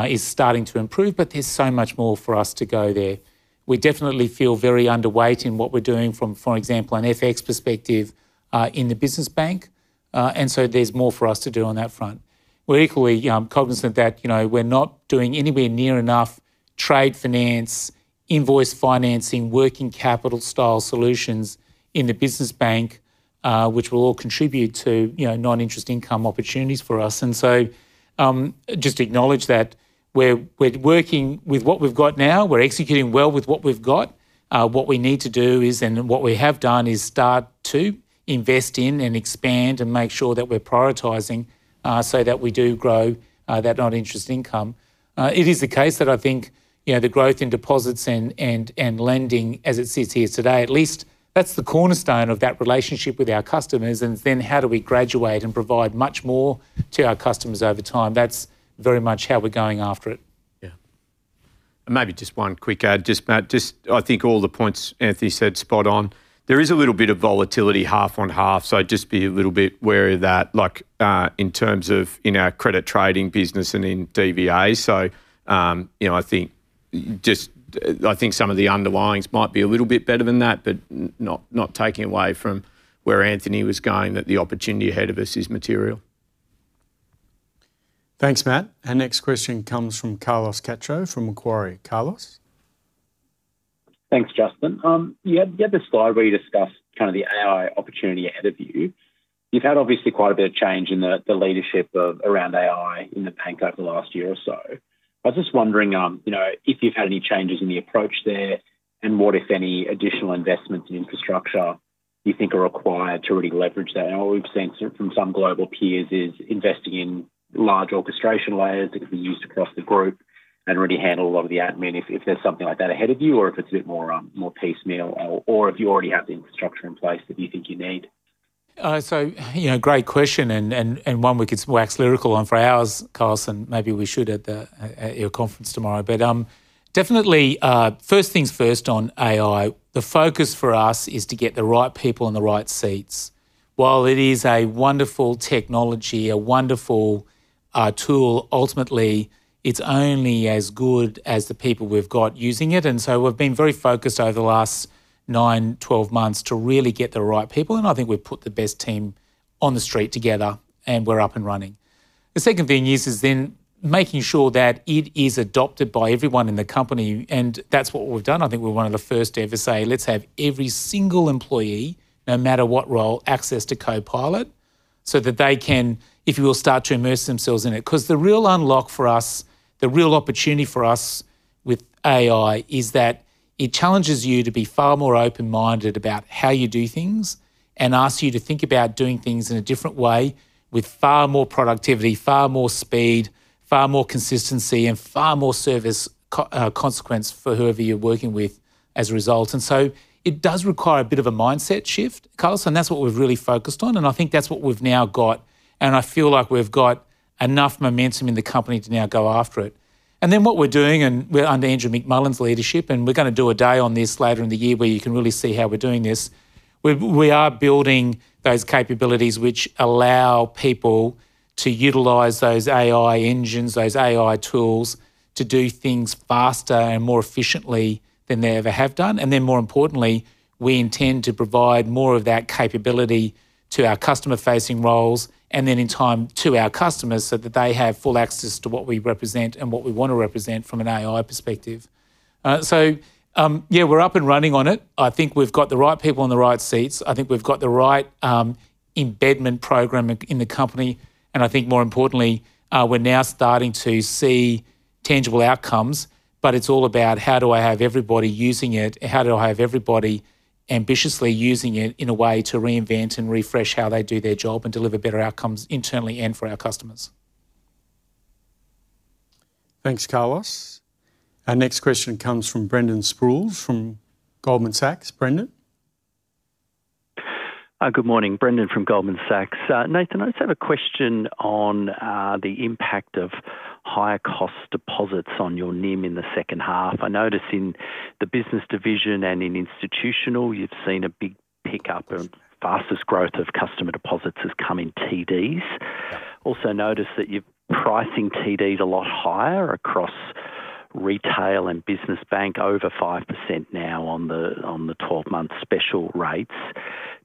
is starting to improve, but there's so much more for us to go there. We definitely feel very underweight in what we're doing from, for example, an FX perspective, in the Business bank. There's more for us to do on that front. We're equally cognizant that, you know, we're not doing anywhere near enough trade finance, invoice financing, working capital style solutions in the Business bank, which will all contribute to, you know, non-interest income opportunities for us. Just acknowledge that we're working with what we've got now. We're executing well with what we've got. What we need to do is, and what we have done, is start to invest in and expand and make sure that we're prioritizing, so that we do grow that non-interest income. It is the case that I think, you know, the growth in deposits and lending as it sits here today, at least that's the cornerstone of that relationship with our customers. How do we graduate and provide much more to our customers over time? That's very much how we're going after it. Yeah. Maybe just one quick add, just Matt. I think all the points Anthony said, spot on. There is a little bit of volatility half-on-half, so just be a little bit wary of that, like, in terms of our credit trading business and in DVA. You know, I think some of the underlyings might be a little bit better than that, but not taking away from where Anthony was going, that the opportunity ahead of us is material. Thanks, Matt. Our next question comes from Carlos Cacho from Macquarie. Carlos? Thanks, Justin. You had this slide where you discussed kind of the AI opportunity ahead of you. You've had obviously quite a bit of change in the leadership around AI in the bank over the last year or so. I was just wondering, you know, if you've had any changes in the approach there, and what, if any, additional investments in infrastructure you think are required to really leverage that? All we've seen from some global peers is investing in large orchestration layers that can be used across the group and already handle a lot of the admin. If there's something like that ahead of you, or if it's a bit more piecemeal? Or if you already have the infrastructure in place that you think you need? You know, great question and one we could wax lyrical on for hours, Carlos, and maybe we should at your conference tomorrow. Definitely, first things first on AI, the focus for us is to get the right people in the right seats. While it is a wonderful technology, a wonderful tool, ultimately it's only as good as the people we've got using it. We've been very focused over the last 9 months, 12 months to really get the right people, and I think we've put the best team on the street together, and we're up and running. The second thing is then making sure that it is adopted by everyone in the company, and that's what we've done. I think we're one of the first to ever say, let's have every single employee, no matter what role, access to Copilot so that they can, if you will, start to immerse themselves in it. Because the real unlock for us, the real opportunity for us with AI is that it challenges you to be far more open-minded about how you do things. And asks you to think about doing things in a different way with far more productivity, far more speed, far more consistency, and far more service consequence for whoever you're working with as a result. It does require a bit of a mindset shift, Carlos, and that's what we've really focused on, and I think that's what we've now got. I feel like we've got enough momentum in the company to now go after it. What we're doing, and we're under Andrew McMullan's leadership, and we're gonna do a day on this later in the year where you can really see how we're doing this. We are building those capabilities which allow people to utilize those AI engines, those AI tools to do things faster and more efficiently than they ever have done. More importantly, we intend to provide more of that capability to our customer-facing roles, and then in time to our customers so that they have full access to what we represent and what we want to represent from an AI perspective. So, yeah, we're up and running on it. I think we've got the right people in the right seats. I think we've got the right embedment program in the company. I think more importantly, we're now starting to see tangible outcomes. It's all about how do I have everybody using it? How do I have everybody ambitiously using it in a way to reinvent and refresh how they do their job and deliver better outcomes internally and for our customers? Thanks, Carlos. Our next question comes from Brendan Sproules from Goldman Sachs. Brendan? Good morning. Brendan from Goldman Sachs. Nathan, I just have a question on the impact of higher cost deposits on your NIM in the second half. I notice in the business division and in institutional, you've seen a big pickup and fastest growth of customer deposits has come in TDs. Yeah. Also noticed that you're pricing TDs a lot higher across retail and business bank, over 5% now on the 12-month special rates.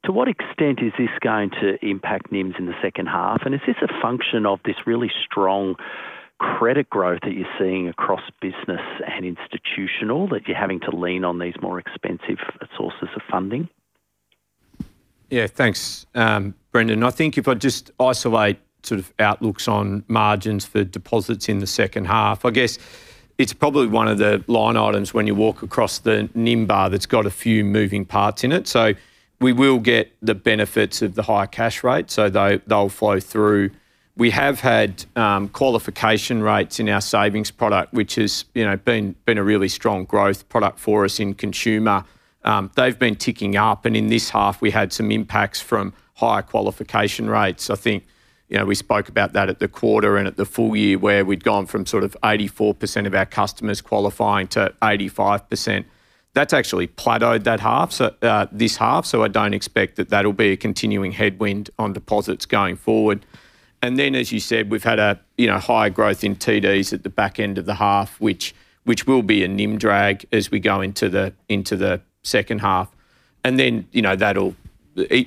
To what extent is this going to impact NIMs in the second half? And is this a function of this really strong credit growth that you're seeing across business and institutional, that you're having to lean on these more expensive sources of funding? Yeah, thanks, Brendan. I think if I just isolate sort of outlooks on margins for deposits in the second half, I guess it's probably one of the line items when you walk across the NIM bar that's got a few moving parts in it. We will get the benefits of the higher cash rate, so they'll flow through. We have had qualification rates in our savings product, which has, you know, been a really strong growth product for us in consumer. They've been ticking up, and in this half we had some impacts from higher qualification rates. I think, you know, we spoke about that at the quarter and at the full year where we'd gone from sort of 84% of our customers qualifying to 85%. That's actually plateaued that half, so this half, so I don't expect that that'll be a continuing headwind on deposits going forward. As you said, we've had, you know, higher growth in TDs at the back end of the half, which will be a NIM drag as we go into the second half. You know, that'll.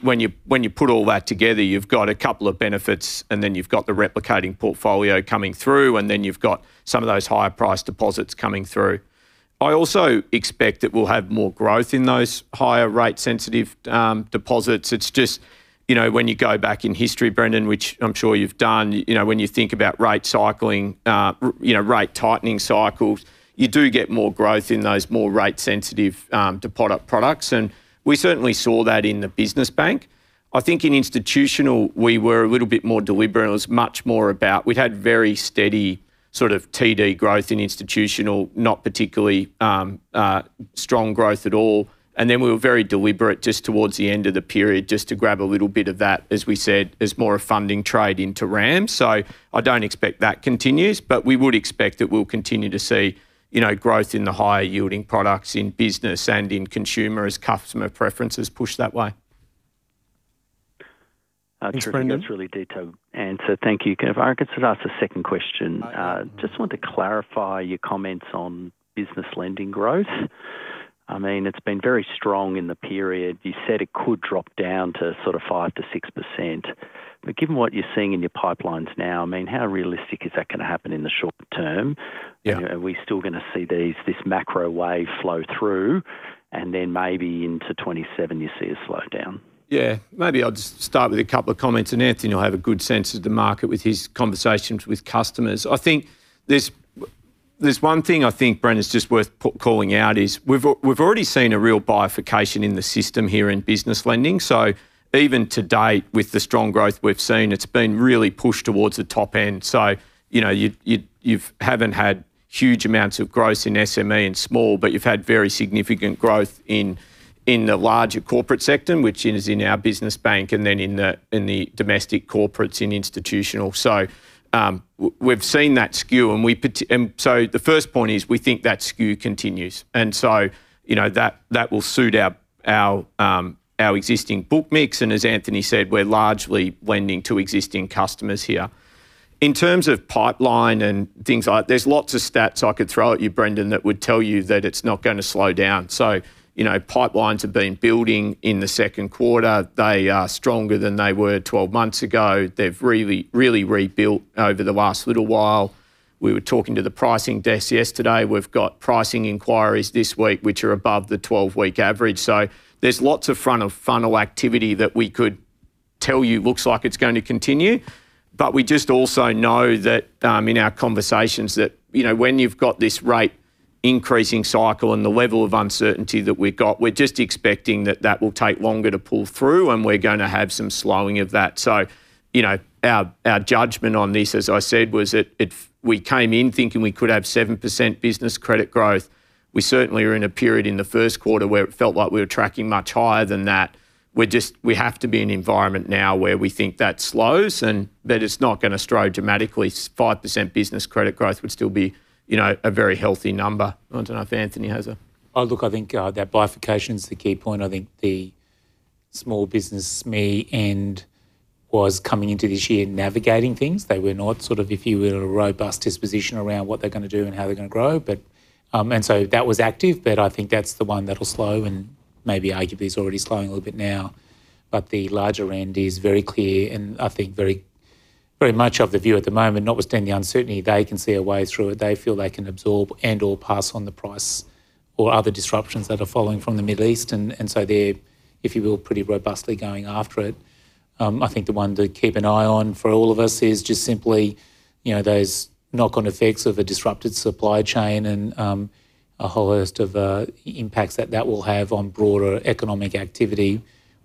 When you put all that together, you've got a couple of benefits, and then you've got the replicating portfolio coming through, and then you've got some of those higher priced deposits coming through. I also expect that we'll have more growth in those higher rate sensitive deposits. It's just, you know, when you go back in history, Brendan, which I'm sure you've done, you know, when you think about rate cycling, you know, rate tightening cycles, you do get more growth in those more rate sensitive, deposit-type products. We certainly saw that in the business bank. I think in institutional we were a little bit more deliberate. It was much more about, we'd had very steady sort of TD growth in institutional, not particularly strong growth at all. We were very deliberate just towards the end of the period just to grab a little bit of that, as we said, as more of a funding trade into RAMS. I don't expect that continues, but we would expect that we'll continue to see, you know, growth in the higher yielding products in business and in consumer as customer preferences push that way. Thanks, Brendan. I think that's a really detailed answer. Thank you. I could sort of ask a second question. I just want to clarify your comments on business lending growth. I mean, it's been very strong in the period. You said it could drop down to sort of 5%-6%. Given what you're seeing in your pipelines now, I mean, how realistic is that gonna happen in the short term? Yeah. You know, are we still gonna see these, this macro wave flow through and then maybe into 2027 you see a slowdown? Yeah. Maybe I'll just start with a couple of comments, and Anthony will have a good sense of the market with his conversations with customers. I think there's one thing I think, Brendan, it's just worth calling out, is we've already seen a real bifurcation in the system here in business lending. Even to date with the strong growth we've seen, it's been really pushed towards the top end. You know, you haven't had huge amounts of growth in SME and small, but you've had very significant growth in the larger corporate sector, which is in our Business bank and then in the domestic corporates in Institutional. We've seen that skew, and the first point is we think that skew continues. You know, that will suit our existing book mix. As Anthony said, we're largely lending to existing customers here. In terms of pipeline and things like. There are lots of stats I could throw at you, Brendan, that would tell you that it's not gonna slow down. You know, pipelines have been building in the second quarter. They are stronger than they were 12 months ago. They've really rebuilt over the last little while. We were talking to the pricing desk yesterday. We've got pricing inquiries this week, which are above the 12-week average. There are lots of front of funnel activity that we could tell you looks like it's going to continue. We just also know that in our conversations that, you know, when you've got this rate increasing cycle and the level of uncertainty that we've got, we're just expecting that that will take longer to pull through, and we're gonna have some slowing of that. You know, our judgment on this, as I said, was that if we came in thinking we could have 7% business credit growth, we certainly are in a period in the first quarter where it felt like we were tracking much higher than that. We have to be in an environment now where we think that slows and that it's not gonna grow dramatically. 5% business credit growth would still be, you know, a very healthy number. I don't know if Anthony has a- Oh, look, I think that bifurcation's the key point. I think the small business men who were coming into this year navigating things. They were not sort of, if you will, a robust disposition around what they're gonna do and how they're gonna grow. That was active, but I think that's the one that'll slow and maybe arguably is already slowing a little bit now. The larger end is very clear and I think very, very much of the view at the moment, notwithstanding the uncertainty, they can see a way through it. They feel they can absorb and/or pass on the price or other disruptions that are following from the Middle East. They're, if you will, pretty robustly going after it. I think the one to keep an eye on for all of us is just simply, you know, those knock-on effects of a disrupted supply chain and, a whole host of, impacts that will have on broader economic activity.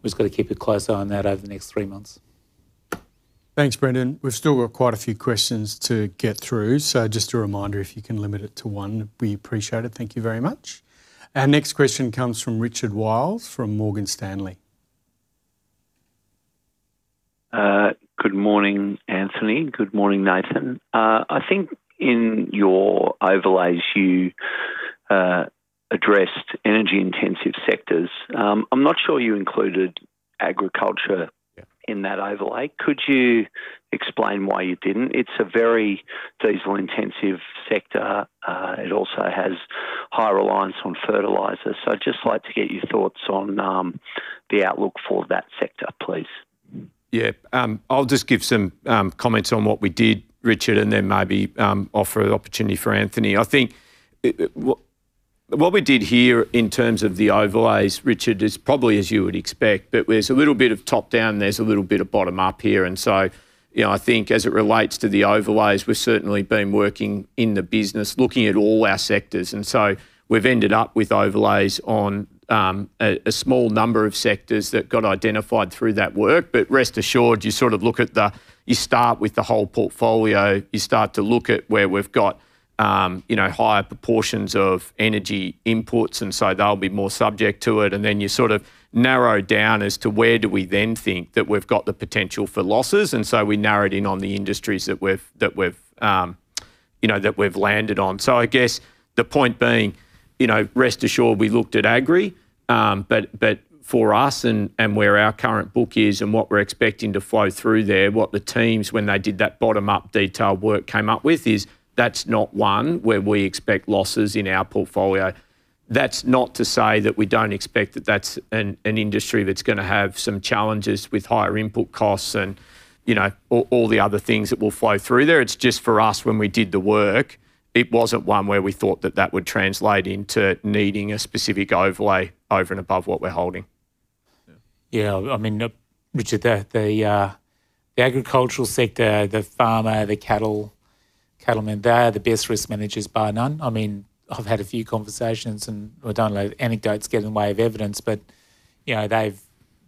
We've just got to keep a close eye on that over the next three months. Thanks, Brendan. We've still got quite a few questions to get through, so just a reminder, if you can limit it to one, we appreciate it. Thank you very much. Our next question comes from Richard Wiles from Morgan Stanley. Good morning, Anthony. Good morning, Nathan. I think in your overlays, you addressed energy intensive sectors. I'm not sure you included agriculture in that overlay. Could you explain why you didn't? It's a very diesel intensive sector. It also has high reliance on fertilizers. I'd just like to get your thoughts on the outlook for that sector, please. Yeah. I'll just give some comments on what we did, Richard, and then maybe offer an opportunity for Anthony. I think what we did here in terms of the overlays, Richard, is probably as you would expect, but there's a little bit of top down, there's a little bit of bottom up here. You know, I think as it relates to the overlays, we've certainly been working in the business looking at all our sectors. We've ended up with overlays on a small number of sectors that got identified through that work. But rest assured, you sort of look at the whole portfolio. You start with the whole portfolio. You start to look at where we've got you know, higher proportions of energy imports, and so they'll be more subject to it. Then you sort of narrow down as to where do we then think that we've got the potential for losses. We narrowed in on the industries that we've landed on. I guess the point being, you know, rest assured we looked at agri, but for us and where our current book is and what we're expecting to flow through there. What the teams when they did that bottom-up detailed work came up with, is that's not one where we expect losses in our portfolio. That's not to say that we don't expect that that's an industry that's gonna have some challenges with higher input costs and, you know, all the other things that will flow through there. It's just for us, when we did the work, it wasn't one where we thought that that would translate into needing a specific overlay over and above what we're holding. Yeah. I mean, Richard, the agricultural sector, the farmers, the cattlemen, they are the best risk managers bar none. I mean, I've had a few conversations, and I don't know if anecdotes get in the way of evidence, but you know, they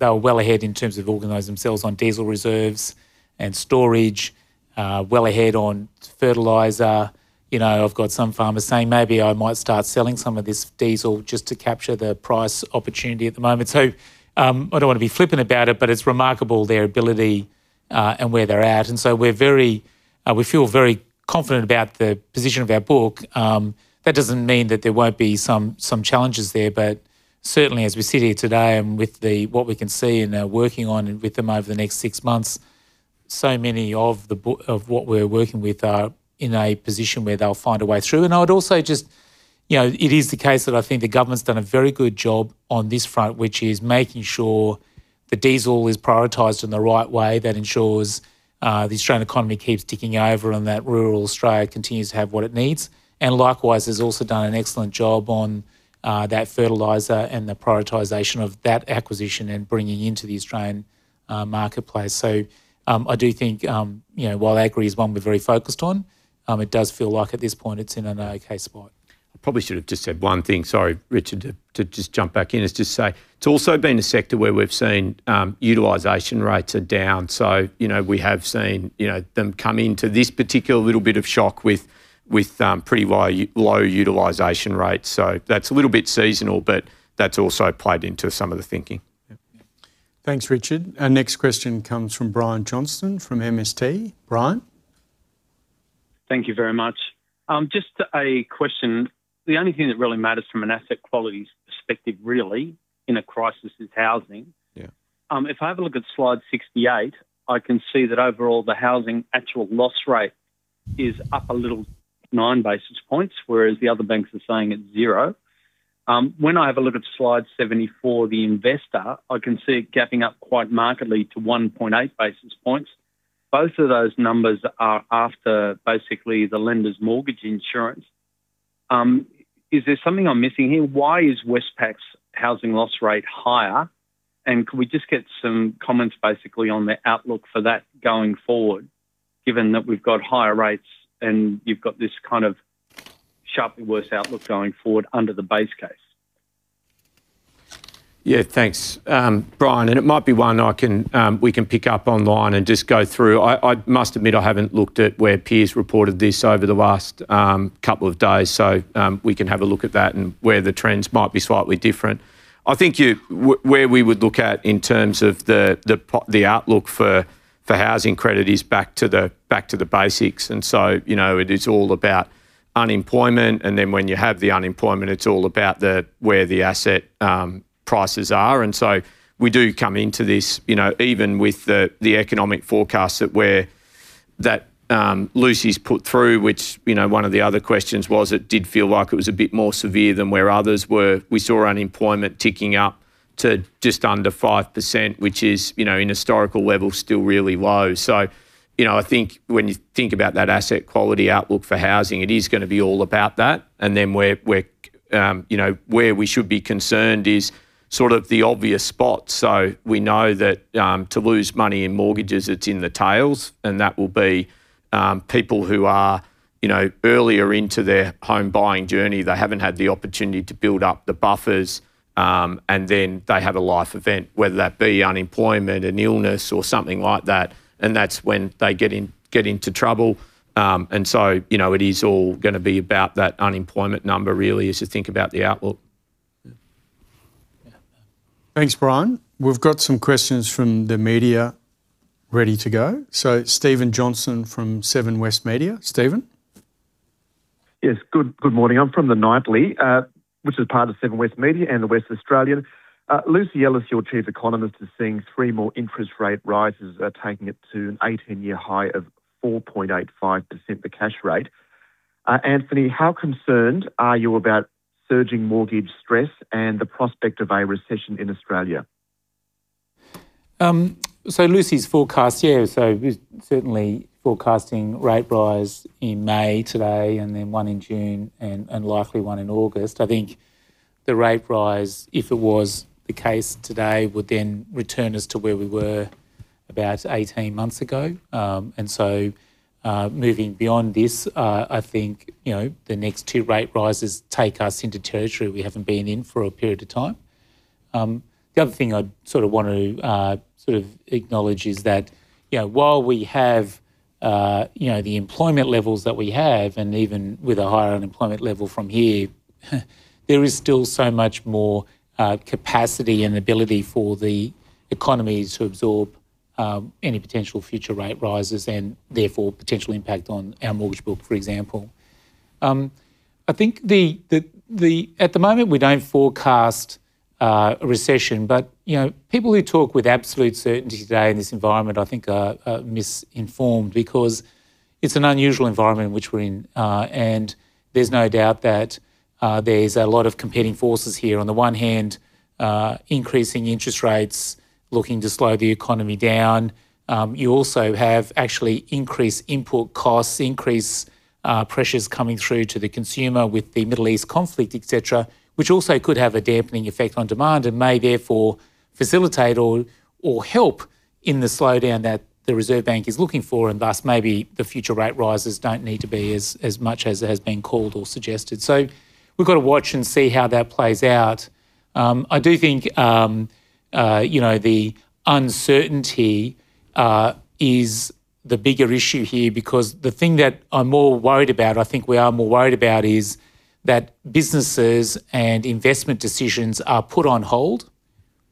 are well ahead in terms of organizing themselves on diesel reserves and storage, well ahead on fertilizer. You know, I've got some farmers saying, maybe I might start selling some of this diesel just to capture the price opportunity at the moment. I don't wanna be flippant about it, but it's remarkable their ability, and where they're at. We feel very confident about the position of our book. That doesn't mean that there won't be some challenges there. Certainly, as we sit here today and with what we can see and are working on and with them over the next six months, so many of what we're working with are in a position where they'll find a way through. I would also just you know, it is the case that I think the government's done a very good job on this front, which is making sure the diesel is prioritized in the right way, that ensures the Australian economy keeps ticking over and that rural Australia continues to have what it needs. Likewise, has also done an excellent job on that fertilizer and the prioritization of that acquisition and bringing into the Australian marketplace. I do think, you know, while agri is one we're very focused on, it does feel like at this point it's in an okay spot. I probably should have just said one thing. Sorry, Richard, to just jump back in. It's just to say it's also been a sector where we've seen utilization rates are down. You know, we have seen, you know, them come into this particular little bit of shock with pretty low utilization rates. That's a little bit seasonal, but that's also played into some of the thinking. Yeah. Thanks, Richard. Our next question comes from Brian Johnson from MST. Brian? Thank you very much. Just a question. The only thing that really matters from an asset quality perspective, really, in a crisis is housing. Yeah. If I have a look at slide 68, I can see that overall the housing actual loss rate is up a little, 9 basis points, whereas the other banks are saying it's zero. When I have a look at slide 74, the investor, I can see it gapping up quite markedly to 1.8 basis points. Both of those numbers are after basically the lender's mortgage insurance. Is there something I'm missing here? Why is Westpac's housing loss rate higher? Can we just get some comments basically on the outlook for that going forward? Given that we've got higher rates and you've got this kind of sharply worse outlook going forward under the base case? Yeah, thanks, Brian. It might be one we can pick up online and just go through. I must admit I haven't looked at where peers reported this over the last couple of days. We can have a look at that and where the trends might be slightly different. I think where we would look at in terms of the outlook for housing credit is back to the basics. You know, it is all about unemployment, and then when you have the unemployment, it's all about where the asset prices are. We do come into this, you know, even with the economic forecast that we're Luci's put through, which, you know, one of the other questions was it did feel like it was a bit more severe than where others were. We saw unemployment ticking up to just under 5%, which is, you know, in historical level, still really low. You know, I think when you think about that asset quality outlook for housing, it is gonna be all about that. Where we should be concerned is sort of the obvious spot. We know that to lose money in mortgages, it's in the tails, and that will be people who are, you know, earlier into their home buying journey. They haven't had the opportunity to build up the buffers, and then they have a life event, whether that be unemployment, an illness or something like that, and that's when they get into trouble. You know, it is all gonna be about that unemployment number really, as you think about the outlook. Yeah. Thanks, Brian. We've got some questions from the media ready to go. Stephen Johnson from Seven West Media. Stephen? Yes. Good morning. I'm from The Nightly, which is part of Seven West Media and The West Australian. Luci Ellis, your Chief Economist, is seeing three more interest rate rises, taking it to an 18-year high of 4.85%, the cash rate. Anthony, how concerned are you about surging mortgage stress and the prospect of a recession in Australia? Luci's forecast, yeah, we're certainly forecasting rate rise in May today, and then 1 in June and likely 1 in August. I think the rate rise, if it was the case today, would then return us to where we were about 18 months ago. Moving beyond this, I think, you know, the next two rate rises take us into territory we haven't been in for a period of time. The other thing I'd sort of want to sort of acknowledge is that, you know, while we have, you know, the employment levels that we have, and even with a higher unemployment level from here. There is still so much more capacity and ability for the economy to absorb any potential future rate rises and therefore potential impact on our mortgage book, for example. I think that at the moment we don't forecast a recession, but you know, people who talk with absolute certainty today in this environment I think are misinformed because it's an unusual environment in which we're in. There's no doubt that there's a lot of competing forces here, on the one hand increasing interest rates looking to slow the economy down, you also have actually increased input costs, increased pressures coming through to the consumer with the Middle East conflict, et cetera. Which also could have a dampening effect on demand and may therefore facilitate or help in the slowdown that the Reserve Bank is looking for. And thus maybe the future rate rises don't need to be as much as has been called or suggested. We've got to watch and see how that plays out. I do think, you know, the uncertainty is the bigger issue here, because the thing that I'm more worried about, I think we are more worried about, is that businesses and investment decisions are put on hold.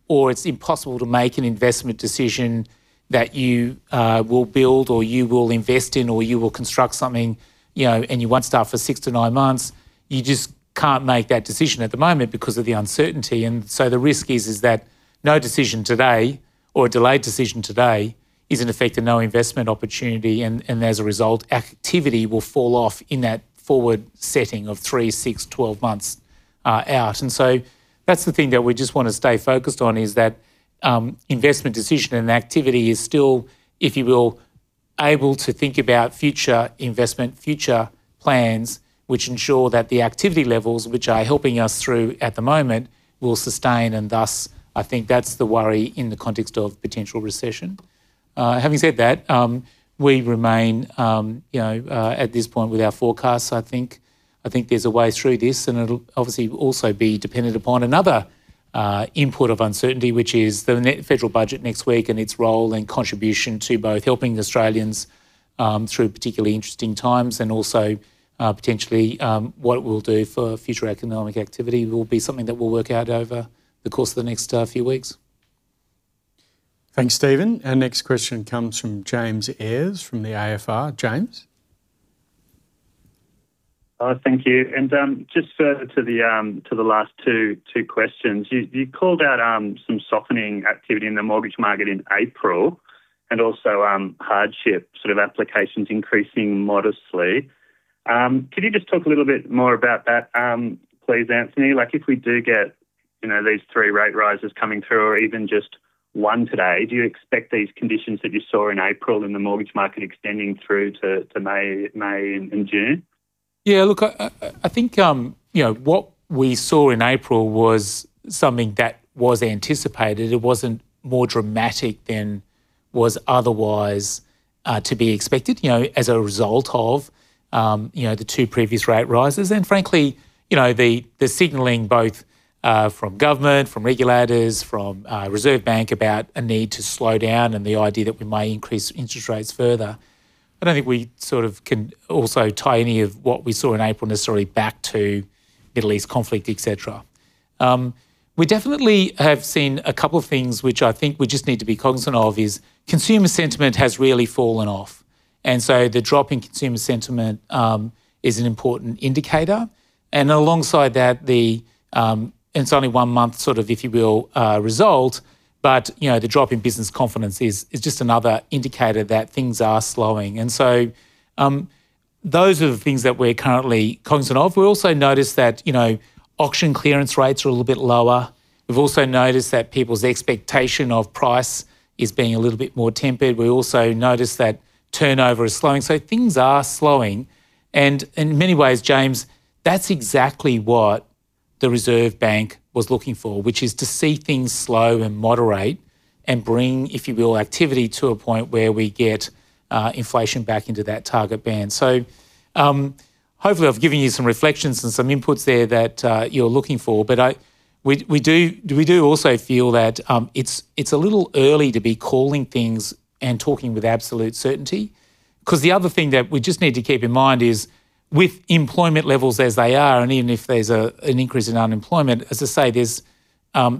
Or it's impossible to make an investment decision that you will build or you will invest in, or you will construct something, you know, and you won't start for 6 months-9 months. You just can't make that decision at the moment because of the uncertainty. The risk is that no decision today, or a delayed decision today is in effect a no investment opportunity. As a result, activity will fall off in that forward setting of 3, 6, 12 months out. That's the thing that we just want to stay focused on, is that, investment decision and activity is still, if you will, able to think about future investment, future plans which ensure that the activity levels which are helping us through at the moment will sustain, and thus I think that's the worry in the context of potential recession. Having said that, we remain, you know, at this point with our forecasts. I think there's a way through this, and it'll obviously also be dependent upon another input of uncertainty. Which is the federal budget next week and its role and contribution to both helping Australians through particularly interesting times and also potentially what it will do for future economic activity. Will be something that we'll work out over the course of the next few weeks. Thanks, Stephen. Our next question comes from James Eyers from The AFR. James? Oh, thank you. Just to the last two questions. You called out some softening activity in the mortgage market in April and also hardship sort of applications increasing modestly. Could you just talk a little bit more about that, please, Anthony? Like if we do get, you know, these three rate rises coming through or even just one today. Do you expect these conditions that you saw in April in the mortgage market extending through to May and June? Yeah, look, I think, you know, what we saw in April was something that was anticipated. It wasn't more dramatic than was otherwise to be expected, you know, as a result of, you know, the two previous rate rises. Frankly, you know, the signaling both from government, from regulators, from Reserve Bank about a need to slow down and the idea that we may increase interest rates further. I don't think we sort of can also tie any of what we saw in April necessarily back to Middle East conflict, et cetera. We definitely have seen a couple of things which I think we just need to be cognizant of, is consumer sentiment has really fallen off. So the drop in consumer sentiment is an important indicator. Alongside that, the It's only one month sort of, if you will, result, but, you know, the drop in business confidence is just another indicator that things are slowing. Those are the things that we're currently cognizant of. We also noticed that, you know, auction clearance rates are a little bit lower. We've also noticed that people's expectation of price is being a little bit more tempered. We also noticed that turnover is slowing. Things are slowing. In many ways, James, that's exactly what the Reserve Bank was looking for, which is to see things slow and moderate and bring, if you will, activity to a point where we get inflation back into that target band. Hopefully, I've given you some reflections and some inputs there that you're looking for. We also feel that it's a little early to be calling things and talking with absolute certainty. Because the other thing that we just need to keep in mind is with employment levels as they are, and even if there's an increase in unemployment, as I say, there's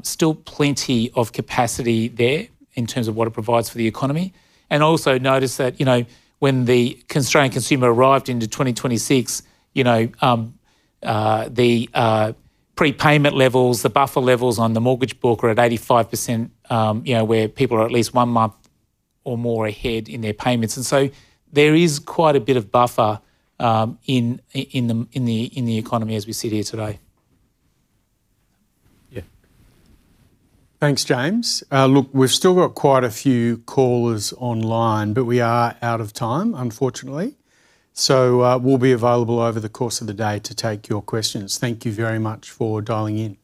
still plenty of capacity there in terms of what it provides for the economy. Also notice that, you know, when the constrained consumer arrived into 2026, you know, the prepayment levels, the buffer levels on the mortgage book were at 85%, you know, where people are at least one month or more ahead in their payments. There is quite a bit of buffer in the economy as we sit here today. Yeah. Thanks, James. Look, we've still got quite a few callers online, but we are out of time, unfortunately. We'll be available over the course of the day to take your questions. Thank you very much for dialing in.